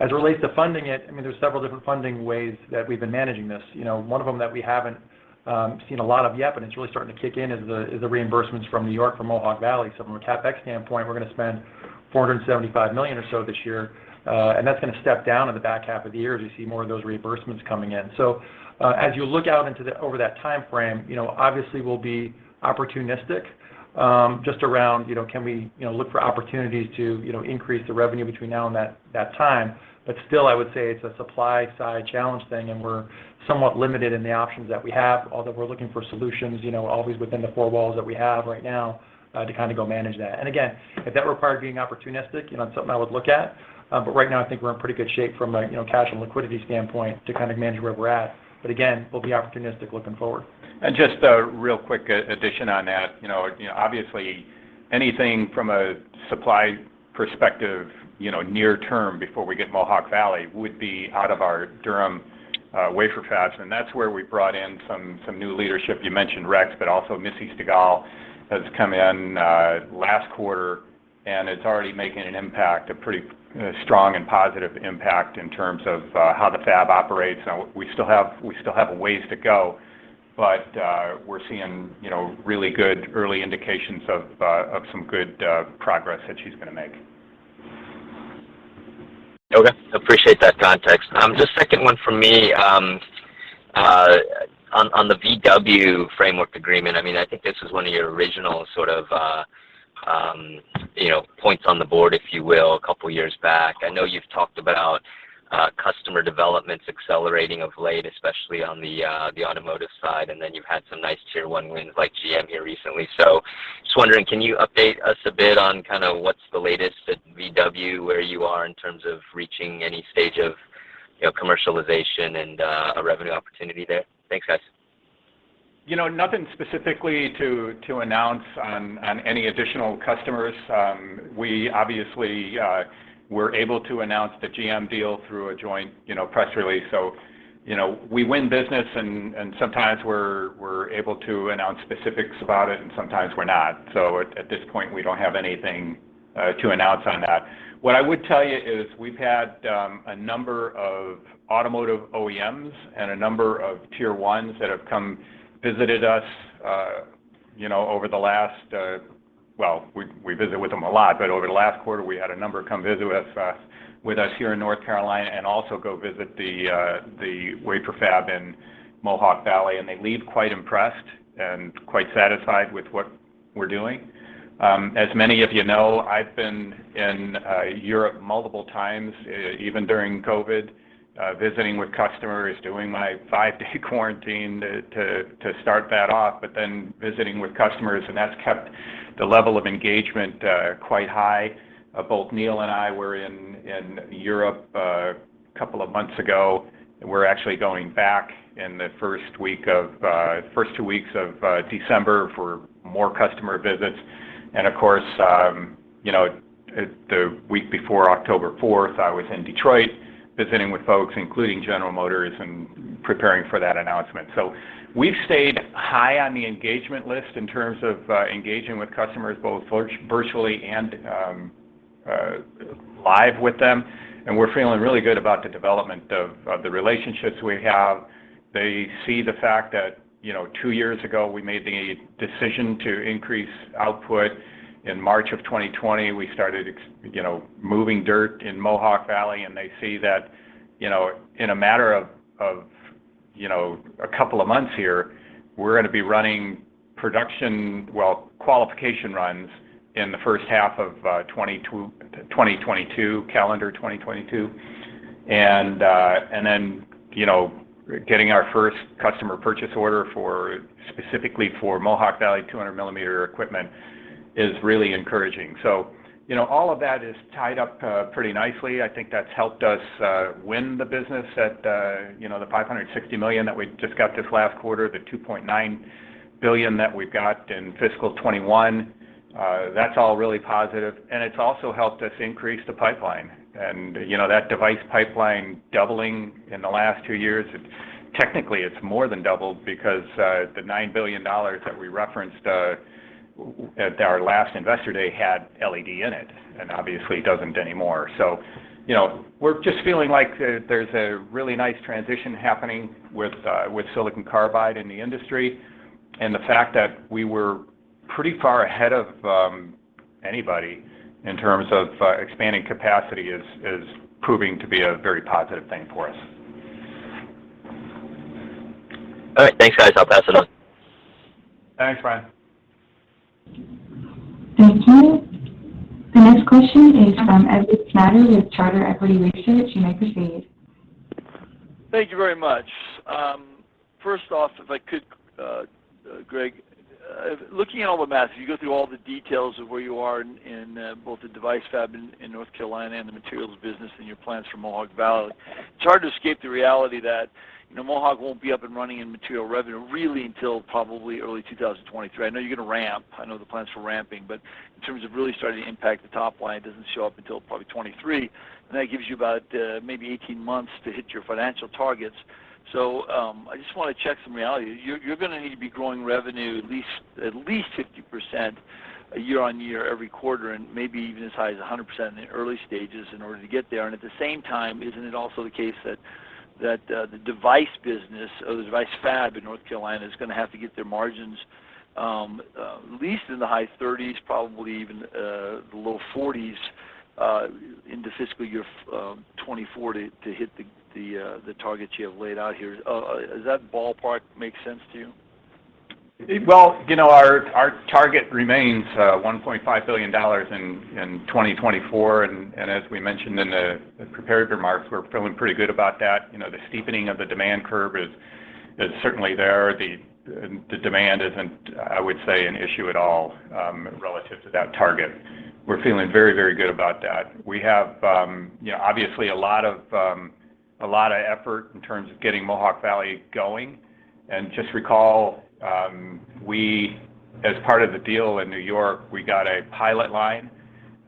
As it relates to funding it, I mean, there's several different funding ways that we've been managing this. You know, one of them that we haven't seen a lot of yet, but it's really starting to kick in, is the reimbursements from New York for Mohawk Valley. From a CapEx standpoint, we're gonna spend $475 million or so this year, and that's gonna step down in the back half of the year as we see more of those reimbursements coming in. As you look out over that timeframe, you know, obviously we'll be opportunistic, just around, you know, can we, you know, look for opportunities to, you know, increase the revenue between now and that time. Still, I would say it's a supply side challenge thing, and we're somewhat limited in the options that we have, although we're looking for solutions, you know, always within the four walls that we have right now, to kind of go manage that. Again, if that required being opportunistic, you know, it's something I would look at. Right now I think we're in pretty good shape from a, you know, cash and liquidity standpoint to kind of manage where we're at. Again, we'll be opportunistic looking forward. Just a real quick addition on that. You know, obviously anything from a supply perspective, you know, near term before we get Mohawk Valley would be out of our Durham wafer fabs, and that's where we brought in some new leadership. You mentioned Rex Felton, but also Missy Stigall has come in last quarter, and is already making an impact, a pretty strong and positive impact in terms of how the fab operates. Now, we still have a ways to go, but we're seeing, you know, really good early indications of some good progress that she's gonna make. Okay. Appreciate that context. The second one from me, on the VW framework agreement, I mean, I think this was one of your original sort of, you know, points on the board, if you will, a couple years back. I know you've talked about, customer developments accelerating of late, especially on the automotive side, and then you've had some nice Tier 1 wins like GM here recently. Just wondering, can you update us a bit on kind of what's the latest at VW, where you are in terms of reaching any stage of, you know, commercialization and, a revenue opportunity there? Thanks, guys. You know, nothing specifically to announce on any additional customers. We obviously were able to announce the GM deal through a joint, you know, press release, so, you know, we win business and sometimes we're able to announce specifics about it, and sometimes we're not. At this point, we don't have anything to announce on that. What I would tell you is we've had a number of automotive OEMs and a number of Tier 1s that have come to visit us, you know. Well, we visit with them a lot, but over the last quarter, we had a number come visit with us here in North Carolina and also go visit the wafer fab in Mohawk Valley, and they leave quite impressed and quite satisfied with what we're doing. As many of you know, I've been in Europe multiple times, even during COVID, visiting with customers, doing my five-day quarantine to start that off, but then visiting with customers, and that's kept the level of engagement quite high. Both Neill and I were in Europe a couple of months ago. We're actually going back in the first two weeks of December for more customer visits. Of course, you know, the week before October 4th, I was in Detroit visiting with folks, including General Motors, and preparing for that announcement. We've stayed high on the engagement list in terms of engaging with customers both virtually and live with them, and we're feeling really good about the development of the relationships we have. They see the fact that, you know, two years ago, we made the decision to increase output. In March 2020, we started you know, moving dirt in Mohawk Valley, and they see that, you know, in a matter of of, you know, a couple of months here, we're gonna be running production, well, qualification runs in the first half of 2022, calendar 2022. Then, you know, getting our first customer purchase order for, specifically for Mohawk Valley 200 mm equipment is really encouraging. You know, all of that is tied up pretty nicely. I think that's helped us win the business at, you know, the $560 million that we just got this last quarter, the $2.9 billion that we got in fiscal 2021. That's all really positive, and it's also helped us increase the pipeline. You know, that device pipeline doubling in the last two years, it's technically more than doubled because the $9 billion that we referenced at our last Investor Day had LED in it, and obviously it doesn't anymore. You know, we're just feeling like there's a really nice transition happening with silicon carbide in the industry, and the fact that we were pretty far ahead of anybody in terms of expanding capacity is proving to be a very positive thing for us. All right. Thanks, guys. I'll pass it on. Thanks, Brian. Thank you. The next question is from Edward Snyder with Charter Equity Research. You may proceed. Thank you very much. First off, if I could, Gregg, looking at all the math, you go through all the details of where you are in both the device fab in North Carolina and the materials business and your plans for Mohawk Valley. It's hard to escape the reality that, you know, Mohawk won't be up and running in material revenue really until probably early 2023. I know you're gonna ramp. I know the plans for ramping. But in terms of really starting to impact the top line, it doesn't show up until probably 2023, and that gives you about, maybe 18 months to hit your financial targets. I just wanna check some reality. You're gonna need to be growing revenue at least 50% year-over-year, every quarter, and maybe even as high as 100% in the early stages in order to get there. At the same time, isn't it also the case that the device business or the device fab in North Carolina is gonna have to get their margins at least in the high 30s, probably even the low 40s, into fiscal year 2024 to hit the targets you have laid out here? Does that ballpark make sense to you? Well, you know, our target remains $1.5 billion in 2024, and as we mentioned in the prepared remarks, we're feeling pretty good about that. You know, the steepening of the demand curve is certainly there. The demand isn't, I would say, an issue at all relative to that target. We're feeling very good about that. We have, you know, obviously a lot of effort in terms of getting Mohawk Valley going. Just recall, we as part of the deal in New York, we got a pilot line.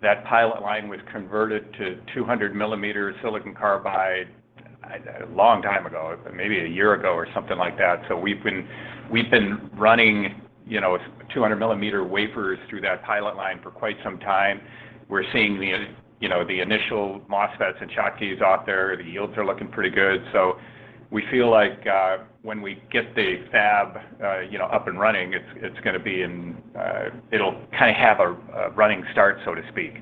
That pilot line was converted to 200 mm silicon carbide a long time ago, but maybe a year ago or something like that. We've been running you know 200 mm wafers through that pilot line for quite some time. We're seeing you know the initial MOSFETs and Schottkys out there. The yields are looking pretty good. We feel like when we get the fab you know up and running, it's gonna be in. It'll kind of have a running start, so to speak.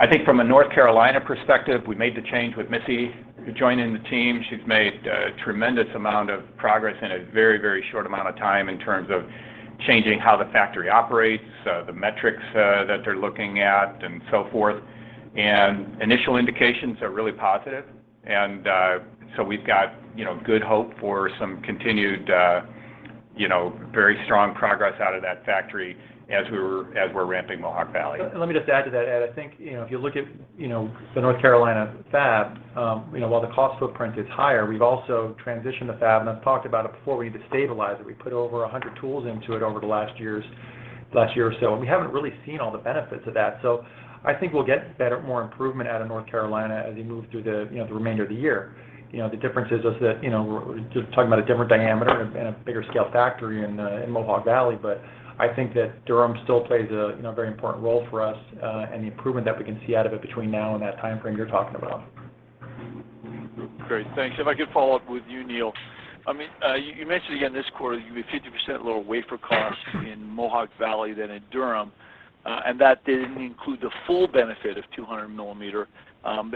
I think from a North Carolina perspective, we made the change with Missy joining the team. She's made a tremendous amount of progress in a very very short amount of time in terms of changing how the factory operates, the metrics that they're looking at, and so forth. Initial indications are really positive, and so we've got, you know, good hope for some continued, you know, very strong progress out of that factory as we're ramping Mohawk Valley. Let me just add to that, Ed. I think, you know, if you look at, you know, the North Carolina fab, you know, while the cost footprint is higher, we've also transitioned the fab, and I've talked about it before, we had to stabilize it. We put over 100 tools into it over the last year or so, and we haven't really seen all the benefits of that. I think we'll get better, more improvement out of North Carolina as we move through the, you know, remainder of the year. You know, the difference is that, you know, we're just talking about a different diameter and a bigger scale factory in Mohawk Valley, but I think that Durham still plays a very important role for us, and the improvement that we can see out of it between now and that timeframe you're talking about. Great. Thanks. If I could follow up with you, Neill. I mean, you mentioned again this quarter, you have a 50% lower wafer cost in Mohawk Valley than in Durham, and that didn't include the full benefit of 200 mm.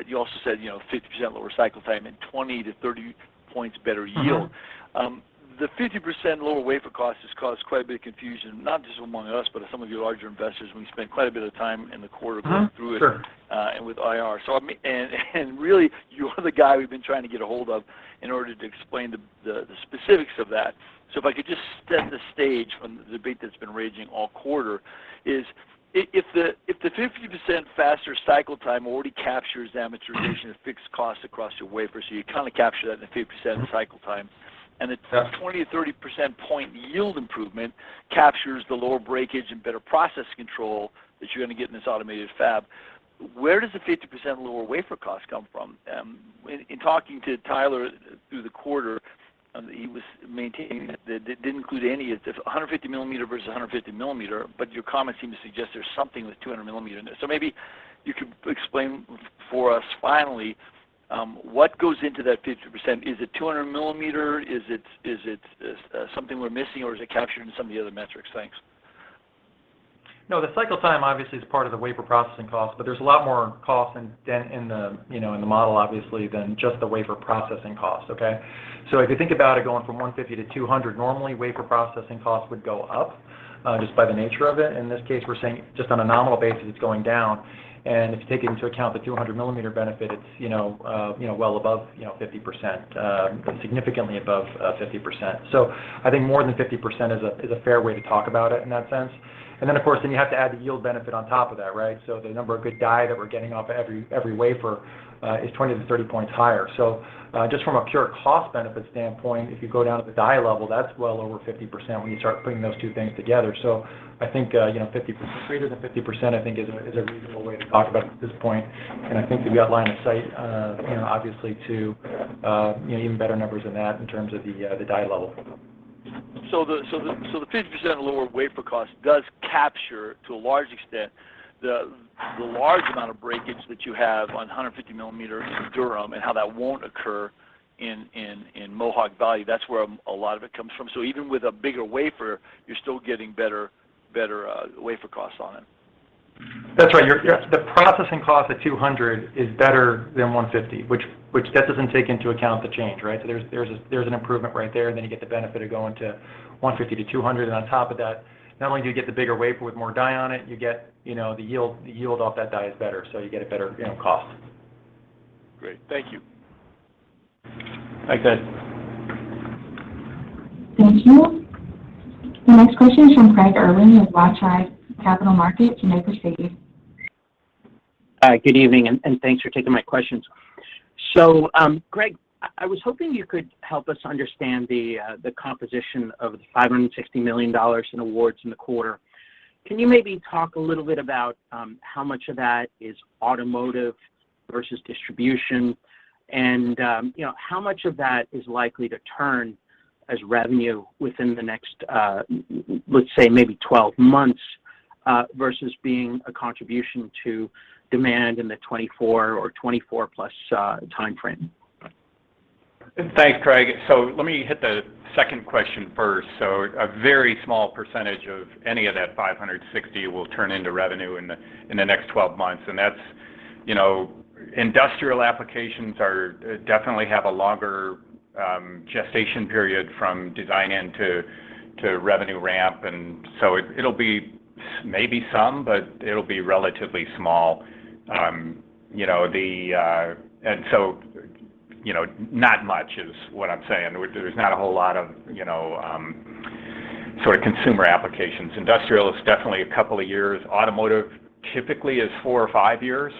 You also said, 50% lower cycle time and 20-30 points better yield. Mm-hmm. The 50% lower wafer cost has caused quite a bit of confusion, not just among us, but of some of your larger investors, and we spent quite a bit of time in the quarter. Mm-hmm. Sure. Going through it, and with IR. I mean, and really, you are the guy we've been trying to get ahold of in order to explain the specifics of that. If I could just set the stage on the debate that's been raging all quarter is if the 50% faster cycle time already captures amortization of fixed costs across your wafers, so you kind of capture that in the 50% cycle time, and the 20%-30% percentage point yield improvement captures the lower breakage and better process control that you're gonna get in this automated fab, where does the 50% lower wafer cost come from? In talking to Tyler through the quarter, he was maintaining that that didn't include any of the 150 mm versus 150 mm, but your comments seem to suggest there's something with 200 mm in there. Maybe you could explain for us finally what goes into that 50%. Is it 200 mm? Is it something we're missing, or is it captured in some of the other metrics? Thanks. No, the cycle time obviously is part of the wafer processing cost, but there's a lot more cost in the model obviously than just the wafer processing cost, okay? If you think about it going from 150 mm to 200 mm, normally wafer processing costs would go up, just by the nature of it. In this case, we're saying just on a nominal basis, it's going down, and if you take into account the 200 mm benefit, it's, you know, well above, you know, 50%, significantly above 50%. I think more than 50% is a fair way to talk about it in that sense. Then, of course, you have to add the yield benefit on top of that, right? The number of good die that we're getting off every wafer is 20-30 points higher. Just from a pure cost benefit standpoint, if you go down to the die level, that's well over 50% when you start putting those two things together. I think, you know, 50%, greater than 50%, I think, is a reasonable way to talk about it at this point, and I think that we have line of sight, you know, obviously to, you know, even better numbers than that in terms of the die level. The 50% lower wafer cost does capture, to a large extent, the large amount of breakage that you have on a 150 mm in Durham and how that won't occur in Mohawk Valley. That's where a lot of it comes from. Even with a bigger wafer, you're still getting better wafer costs on it. That's right. The processing cost at 200 mm is better than 150 mm, which that doesn't take into account the change, right? There's an improvement right there, and then you get the benefit of going to 150 mm to 200 mm, and on top of that, not only do you get the bigger wafer with more die on it, you get, you know, the yield off that die is better, so you get a better, you know, cost. Great. Thank you. Thanks, guys. Thank you. The next question is from Craig Irwin with ROTH Capital Markets. Your line is open. Hi. Good evening, and thanks for taking my questions. Gregg, I was hoping you could help us understand the composition of the $560 million in awards in the quarter. Can you maybe talk a little bit about how much of that is automotive versus distribution and, you know, how much of that is likely to turn as revenue within the next, let's say maybe 12 months versus being a contribution to demand in the 2024 or 2024+ timeframe? Thanks, Craig. Let me hit the second question first. A very small percentage of any of that $560 million will turn into revenue in the next 12 months, and that's you know. Industrial applications definitely have a longer gestation period from design in to revenue ramp. It'll be maybe some, but it'll be relatively small. You know not much is what I'm saying. There's not a whole lot of you know sort of consumer applications. Industrial is definitely a couple of years. Automotive typically is four or five years.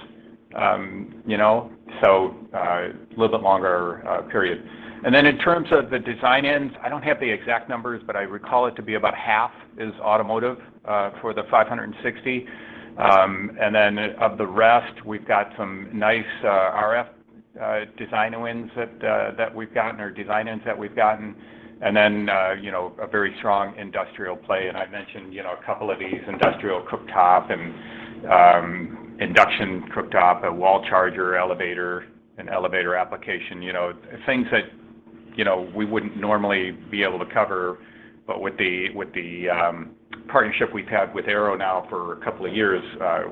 You know, a little bit longer period. In terms of the design-ins, I don't have the exact numbers, but I recall it to be about half is automotive for the $560 million. Of the rest, we've got some nice RF design wins that we've gotten or design-ins that we've gotten. You know, a very strong industrial play. I mentioned, you know, a couple of these, industrial cooktop and induction cooktop, a wall charger, elevator, an elevator application. You know, things that, you know, we wouldn't normally be able to cover, but with the partnership we've had with Arrow now for a couple of years,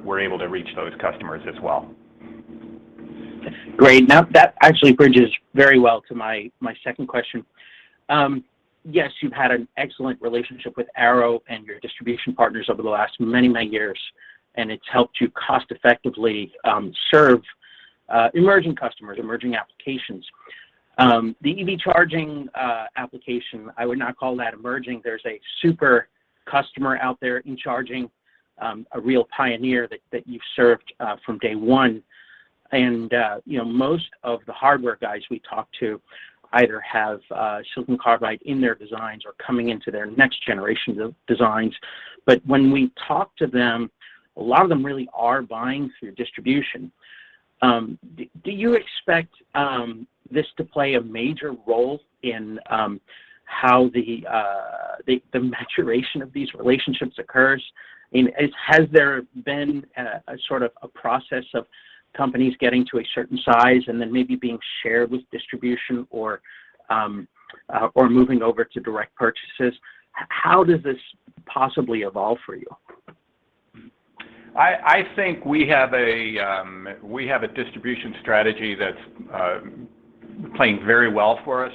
we're able to reach those customers as well. Great. Now that actually bridges very well to my second question. Yes, you've had an excellent relationship with Arrow and your distribution partners over the last many years, and it's helped you cost effectively serve emerging customers, emerging applications. The EV charging application, I would not call that emerging. There's a super customer out there in charging, a real pioneer that you've served from day one. You know, most of the hardware guys we talk to either have silicon carbide in their designs or coming into their next generation of designs. When we talk to them, a lot of them really are buying through distribution. Do you expect this to play a major role in how the maturation of these relationships occurs? I mean, has there been a sort of a process of companies getting to a certain size and then maybe being shared with distribution or or moving over to direct purchases? How does this possibly evolve for you? I think we have a distribution strategy that's playing very well for us,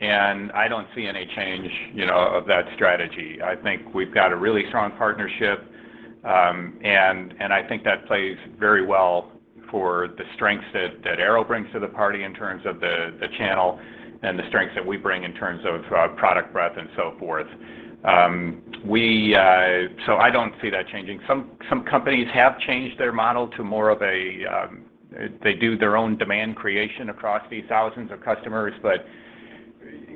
and I don't see any change, you know, of that strategy. I think we've got a really strong partnership, and I think that plays very well for the strengths that Arrow brings to the party in terms of the channel and the strengths that we bring in terms of product breadth and so forth. I don't see that changing. Some companies have changed their model to more of a they do their own demand creation across these thousands of customers.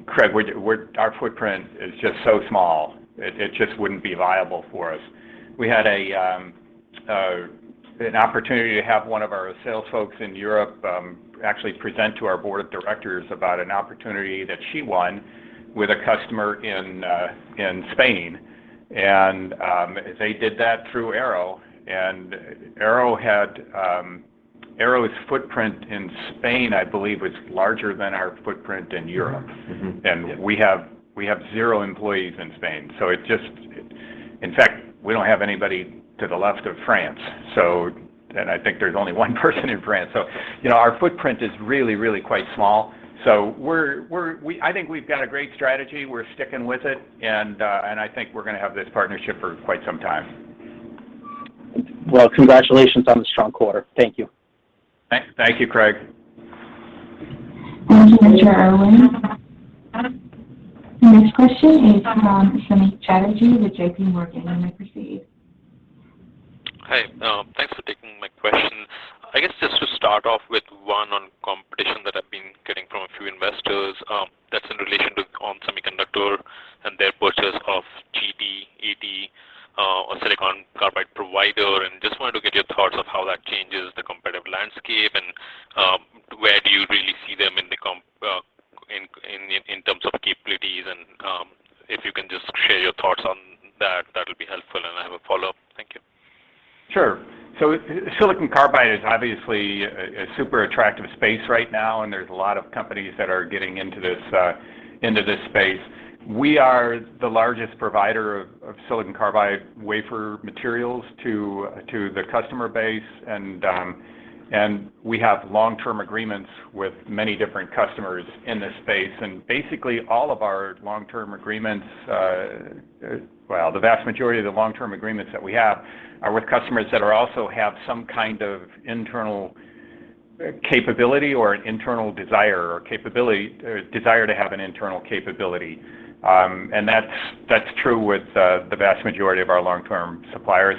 Craig, our footprint is just so small. It just wouldn't be viable for us. We had an opportunity to have one of our sales folks in Europe actually present to our board of directors about an opportunity that she won with a customer in Spain. They did that through Arrow. Arrow's footprint in Spain, I believe, was larger than our footprint in Europe. Mm-hmm. Mm-hmm. We have zero employees in Spain. In fact, we don't have anybody to the left of France. I think there's only one person in France. You know, our footprint is really quite small. I think we've got a great strategy. We're sticking with it, and I think we're gonna have this partnership for quite some time. Well, congratulations on the strong quarter. Thank you. Thank you, Craig. Thank you, Mr. Irwin. The next question is from Samik Chatterjee with JPMorgan, and we proceed. Hi. Thanks for taking my question. I guess just to start off with one on competition that I've been getting from a few investors, that's in relation to onsemi and their purchase of GT Advanced Technologies, a silicon carbide provider. Just wanted to get your thoughts on how that changes the competitive landscape and where do you really see them in terms of capabilities, if you can just share your thoughts on that'll be helpful. I have a follow-up. Thank you. Sure. Silicon carbide is obviously a super attractive space right now, and there's a lot of companies that are getting into this space. We are the largest provider of silicon carbide wafer materials to the customer base. We have long-term agreements with many different customers in this space. Basically, all of our long-term agreements, well, the vast majority of the long-term agreements that we have are with customers that are also have some kind of internal capability or an internal desire or capability, or desire to have an internal capability. That's true with the vast majority of our long-term suppliers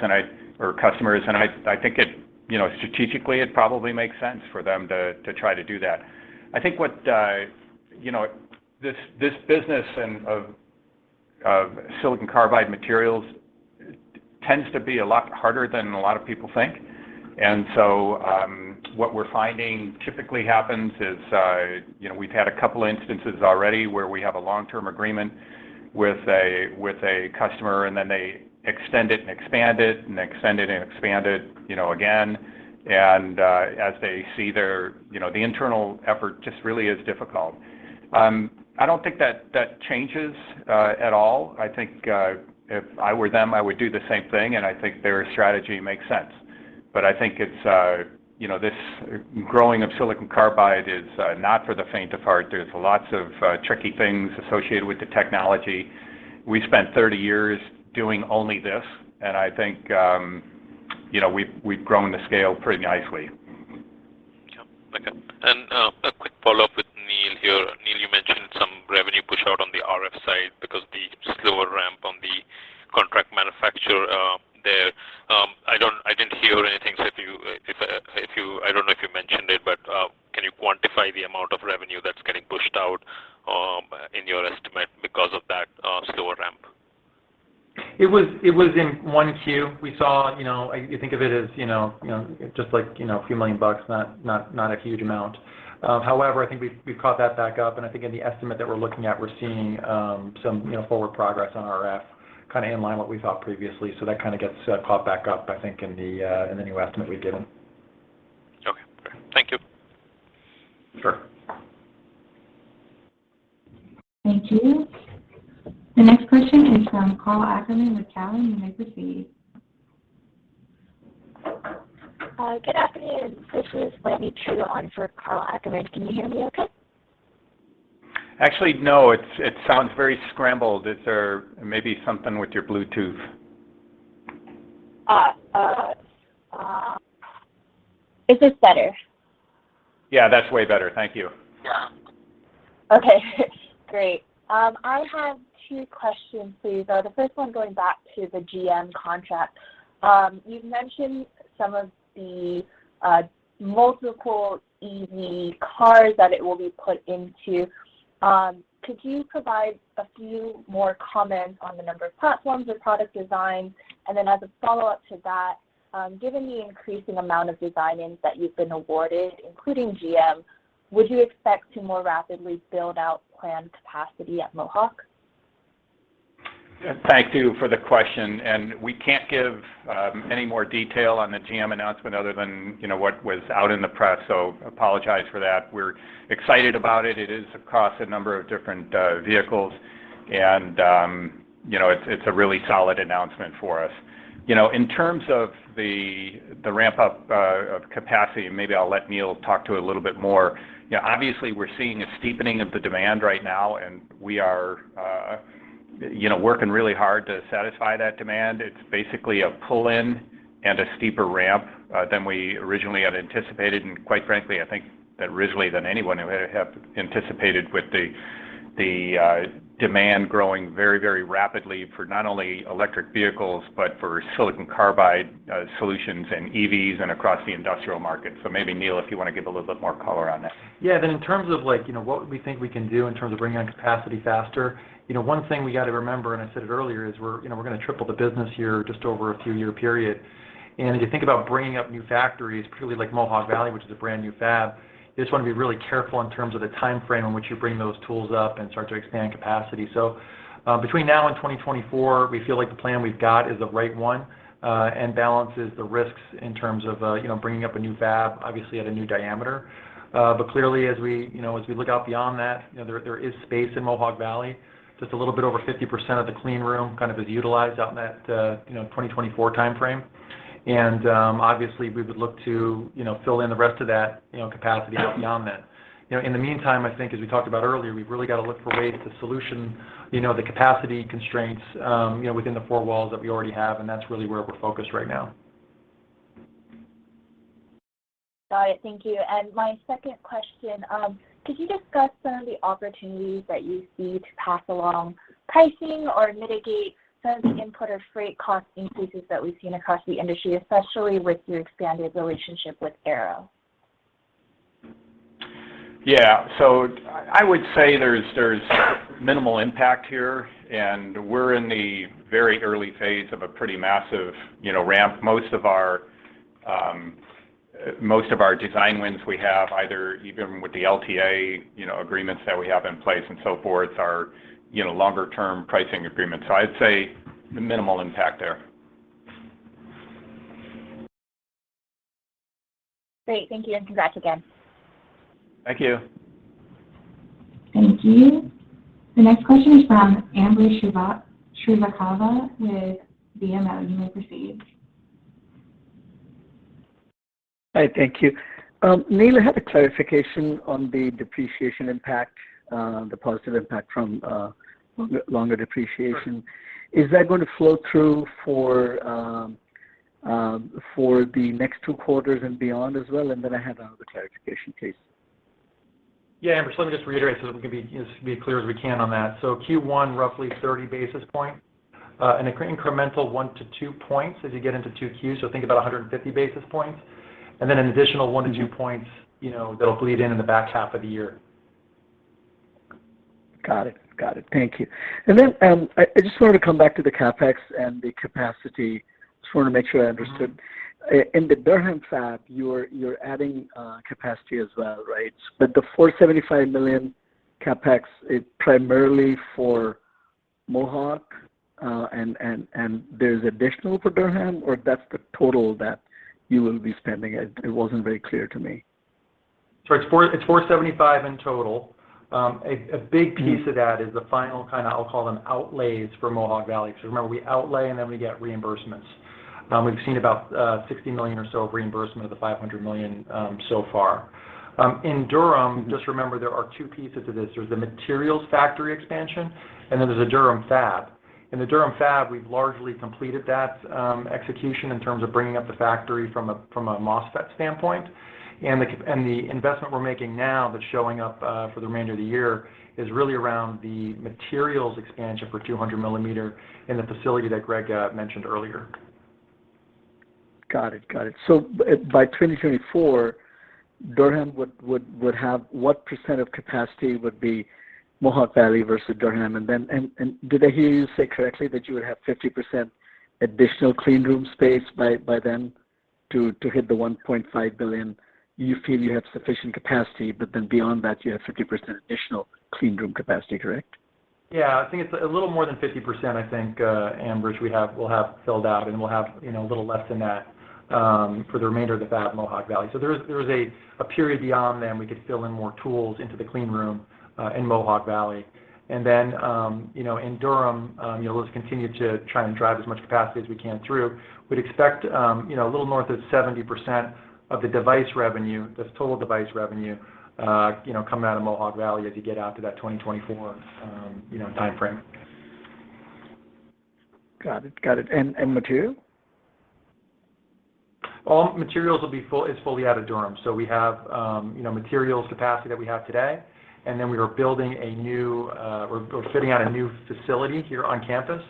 or customers. I think it, you know, strategically, it probably makes sense for them to try to do that. I think you know this business of silicon carbide materials tends to be a lot harder than a lot of people think. What we're finding typically happens is you know we've had a couple instances already where we have a long-term agreement with a customer, and then they extend it and expand it, you know again. As they see their you know the internal effort just really is difficult. I don't think that changes at all. I think if I were them, I would do the same thing, and I think their strategy makes sense. I think it's you know this growing of silicon carbide is not for the faint of heart. There's lots of tricky things associated with the technology. We spent 30 years doing only this, and I think, you know, we've grown the scale pretty nicely. Yeah. Okay, a quick follow-up with. Right, because the slower ramp on the contract manufacturer, I didn't hear anything, so I don't know if you mentioned it, but can you quantify the amount of revenue that's getting pushed out in your estimate because of that slower ramp? It was in 1Q. We saw, you know, you think of it as, you know, just like, you know, a few million bucks, not a huge amount. However, I think we've caught that back up, and I think in the estimate that we're looking at, we're seeing some, you know, forward progress on RF, kinda in line with what we saw previously. That kinda gets caught back up, I think, in the new estimate we've given. Okay. Great. Thank you. Sure. Thank you. The next question is from Karl Ackerman with Cowen. You may proceed. Good afternoon. This is. [AUDIO DISTORTION] Actually, no. It's, it sounds very scrambled. Is there maybe something with your Bluetooth? Is this better? Yeah, that's way better. Thank you. Okay. Great. I have two questions for you. The first one going back to the GM contract. You've mentioned some of the multiple EV cars that it will be put into. Could you provide a few more comments on the number of platforms or product design? Then as a follow-up to that, given the increasing amount of design-ins that you've been awarded, including GM, would you expect to more rapidly build out planned capacity at Mohawk? Thank you for the question, and we can't give any more detail on the GM announcement other than, you know, what was out in the press, so apologize for that. We're excited about it. It is across a number of different vehicles, and, you know, it's a really solid announcement for us. You know, in terms of the ramp-up of capacity, and maybe I'll let Neill talk to it a little bit more. You know, obviously, we're seeing a steepening of the demand right now, and we are, you know, working really hard to satisfy that demand. It's basically a pull-in and a steeper ramp than we originally had anticipated, and quite frankly, I think that originally than anyone would have anticipated with the demand growing very, very rapidly for not only electric vehicles, but for silicon carbide solutions and EVs and across the industrial market. Maybe Neill, if you wanna give a little bit more color on that. Yeah. In terms of, like, you know, what we think we can do in terms of bringing on capacity faster, you know, one thing we gotta remember, and I said it earlier, is we're gonna triple the business here just over a few-year period. If you think about bringing up new factories, particularly like Mohawk Valley, which is a brand-new fab, you just wanna be really careful in terms of the timeframe in which you bring those tools up and start to expand capacity. Between now and 2024, we feel like the plan we've got is the right one, and balances the risks in terms of, you know, bringing up a new fab, obviously at a new diameter. Clearly as we, you know, as we look out beyond that, you know, there is space in Mohawk Valley. Just a little bit over 50% of the clean room kind of is utilized out in that, you know, 2024 timeframe. Obviously we would look to, you know, fill in the rest of that, you know, capacity out beyond then. You know, in the meantime, I think as we talked about earlier, we've really gotta look for ways to solve the capacity constraints, you know, within the four walls that we already have, and that's really where we're focused right now. Got it. Thank you. My second question, could you discuss some of the opportunities that you see to pass along pricing or mitigate some of the input or freight cost increases that we've seen across the industry, especially with your expanded relationship with Arrow? Yeah. I would say there's minimal impact here, and we're in the very early phase of a pretty massive, you know, ramp. Most of our design wins we have either even with the LTA, you know, agreements that we have in place and so forth are, you know, longer-term pricing agreements. I'd say minimal impact there. Great. Thank you, and congrats again. Thank you. Thank you. The next question is from Ambrish Srivastava with BMO. You may proceed. Hi. Thank you. Neill, I had a clarification on the depreciation impact, the positive impact from longer depreciation. Sure. Is that gonna flow through for the next two quarters and beyond as well? I have another clarification please. Ambrish, let me just reiterate so that we can be as clear as we can on that. Q1, roughly 30 basis points, and incremental one to two points as you get into two quarters, so think about 150 basis points. Then an additional one to two points, you know, that'll bleed in the back half of the year. Got it. Thank you. I just wanted to come back to the CapEx and the capacity. Just wanna make sure I understood. In the Durham fab, you're adding capacity as well, right? But the $475 million CapEx is primarily for Mohawk, and there's additional for Durham, or that's the total that you will be spending? It wasn't very clear to me. It's $475 million in total. A big piece of that is the final kinda, I'll call them outlays for Mohawk Valley because remember we outlay and then we get reimbursements. We've seen about $60 million or so of reimbursement of the $500 million so far. In Durham, just remember there are two pieces to this. There's the materials factory expansion, and then there's a Durham fab. In the Durham fab, we've largely completed that execution in terms of bringing up the factory from a MOSFET standpoint. The investment we're making now that's showing up for the remainder of the year is really around the materials expansion for 200 mm in the facility that Gregg mentioned earlier. Got it. By 2024, Durham would have what percent of capacity would be Mohawk Valley versus Durham? Then did I hear you say correctly that you would have 50% additional clean room space by then to hit the $1.5 billion? You feel you have sufficient capacity, but then beyond that, you have 50% additional clean room capacity, correct? Yeah, I think it's a little more than 50% I think, Ambrish, we'll have filled out, and we'll have, you know, a little less than that, for the remainder of the fab in Mohawk Valley. So there is a period beyond then we could fill in more tools into the clean room in Mohawk Valley. Then, you know, in Durham, you know, we'll just continue to try and drive as much capacity as we can through. We'd expect, you know, a little north of 70% of the device revenue, this total device revenue, you know, coming out of Mohawk Valley as you get out to that 2024, you know, timeframe. Got it. Material? All materials will be fully out of Durham. We have, you know, materials capacity that we have today, and then we're fitting out a new facility here on campus,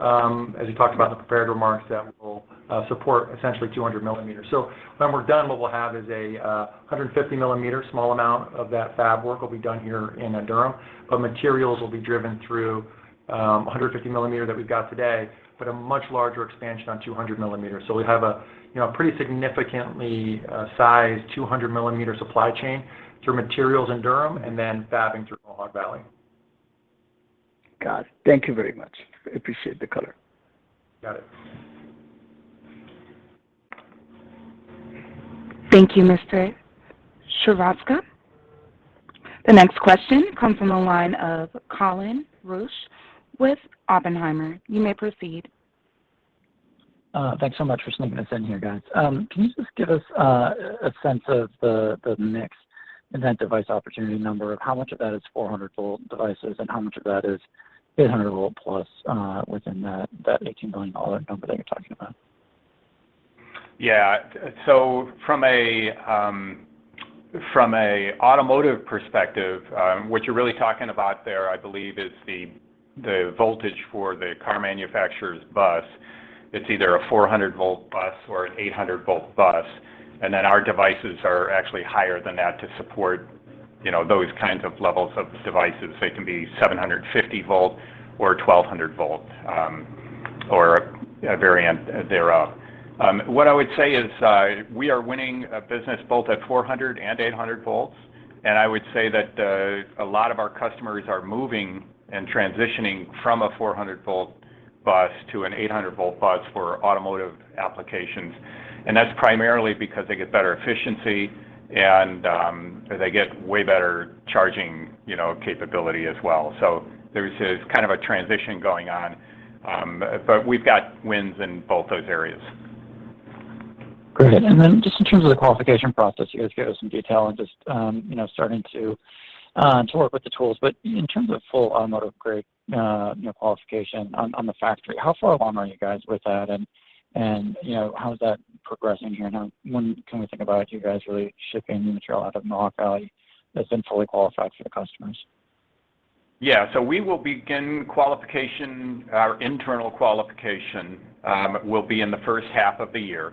as you talked about in the prepared remarks that will support essentially 200 mm. When we're done, what we'll have is a small amount of 150 mm fab work will be done here in Durham, but materials will be driven through 150 mm that we've got today, but a much larger expansion on 200 mm. We have a, you know, pretty significantly sized 200 mm supply chain through materials in Durham and then fabbing through Mohawk Valley. Got it. Thank you very much. I appreciate the color. Got it. Thank you, Mr. Srivastava. The next question comes from the line of Colin Rusch with Oppenheimer. You may proceed. Thanks so much for sneaking us in here, guys. Can you just give us a sense of the mixed content device opportunity number? How much of that is 400 V devices, and how much of that is 800 V plus within that $18 million number that you're talking about? Yeah. From a automotive perspective, what you're really talking about there, I believe, is the voltage for the car manufacturer's bus. It's either a 400 V bus or an 800 V bus, and then our devices are actually higher than that to support, you know, those kinds of levels of devices. They can be 750 V or 1200 V, or a variant thereof. What I would say is, we are winning business both at 400 V and 800 V, and I would say that a lot of our customers are moving and transitioning from a 400 V bus to an 800 V bus for automotive applications. That's primarily because they get better efficiency and they get way better charging, you know, capability as well. There's kind of a transition going on, but we've got wins in both those areas. Great. Just in terms of the qualification process, you guys gave us some detail and just you know starting to work with the tools. In terms of full automotive grade you know qualification on the factory, how far along are you guys with that and you know how is that progressing here? When can we think about you guys really shipping material out of Mohawk Valley that's been fully qualified for the customers? Yeah. We will begin qualification, our internal qualification, will be in the first half of the year.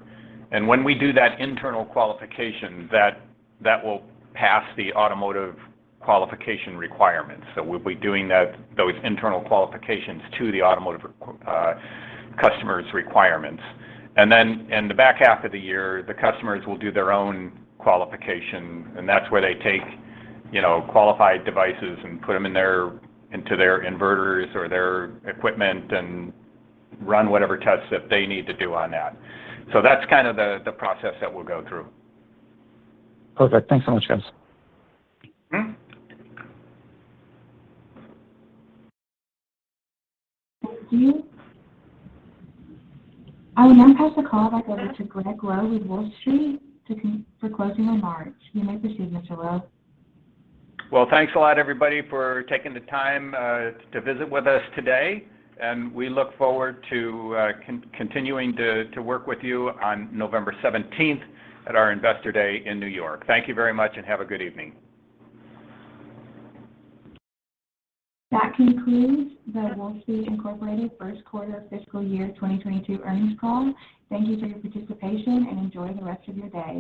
When we do that internal qualification, that will pass the automotive qualification requirements. We'll be doing those internal qualifications to the automotive customers' requirements. Then in the back half of the year, the customers will do their own qualification, and that's where they take, you know, qualified devices and put them into their inverters or their equipment and run whatever tests that they need to do on that. That's kind of the process that we'll go through. Perfect. Thanks so much, guys. Mm-hmm. Thank you. I will now pass the call back over to Gregg Lowe with Wolfspeed for closing remarks. You may proceed, Mr. Lowe. Well, thanks a lot everybody for taking the time to visit with us today, and we look forward to continuing to work with you on November 17th at our Investor Day in New York. Thank you very much, and have a good evening. That concludes the Wolfspeed, Inc. first quarter fiscal year 2022 earnings call. Thank you for your participation, and enjoy the rest of your day.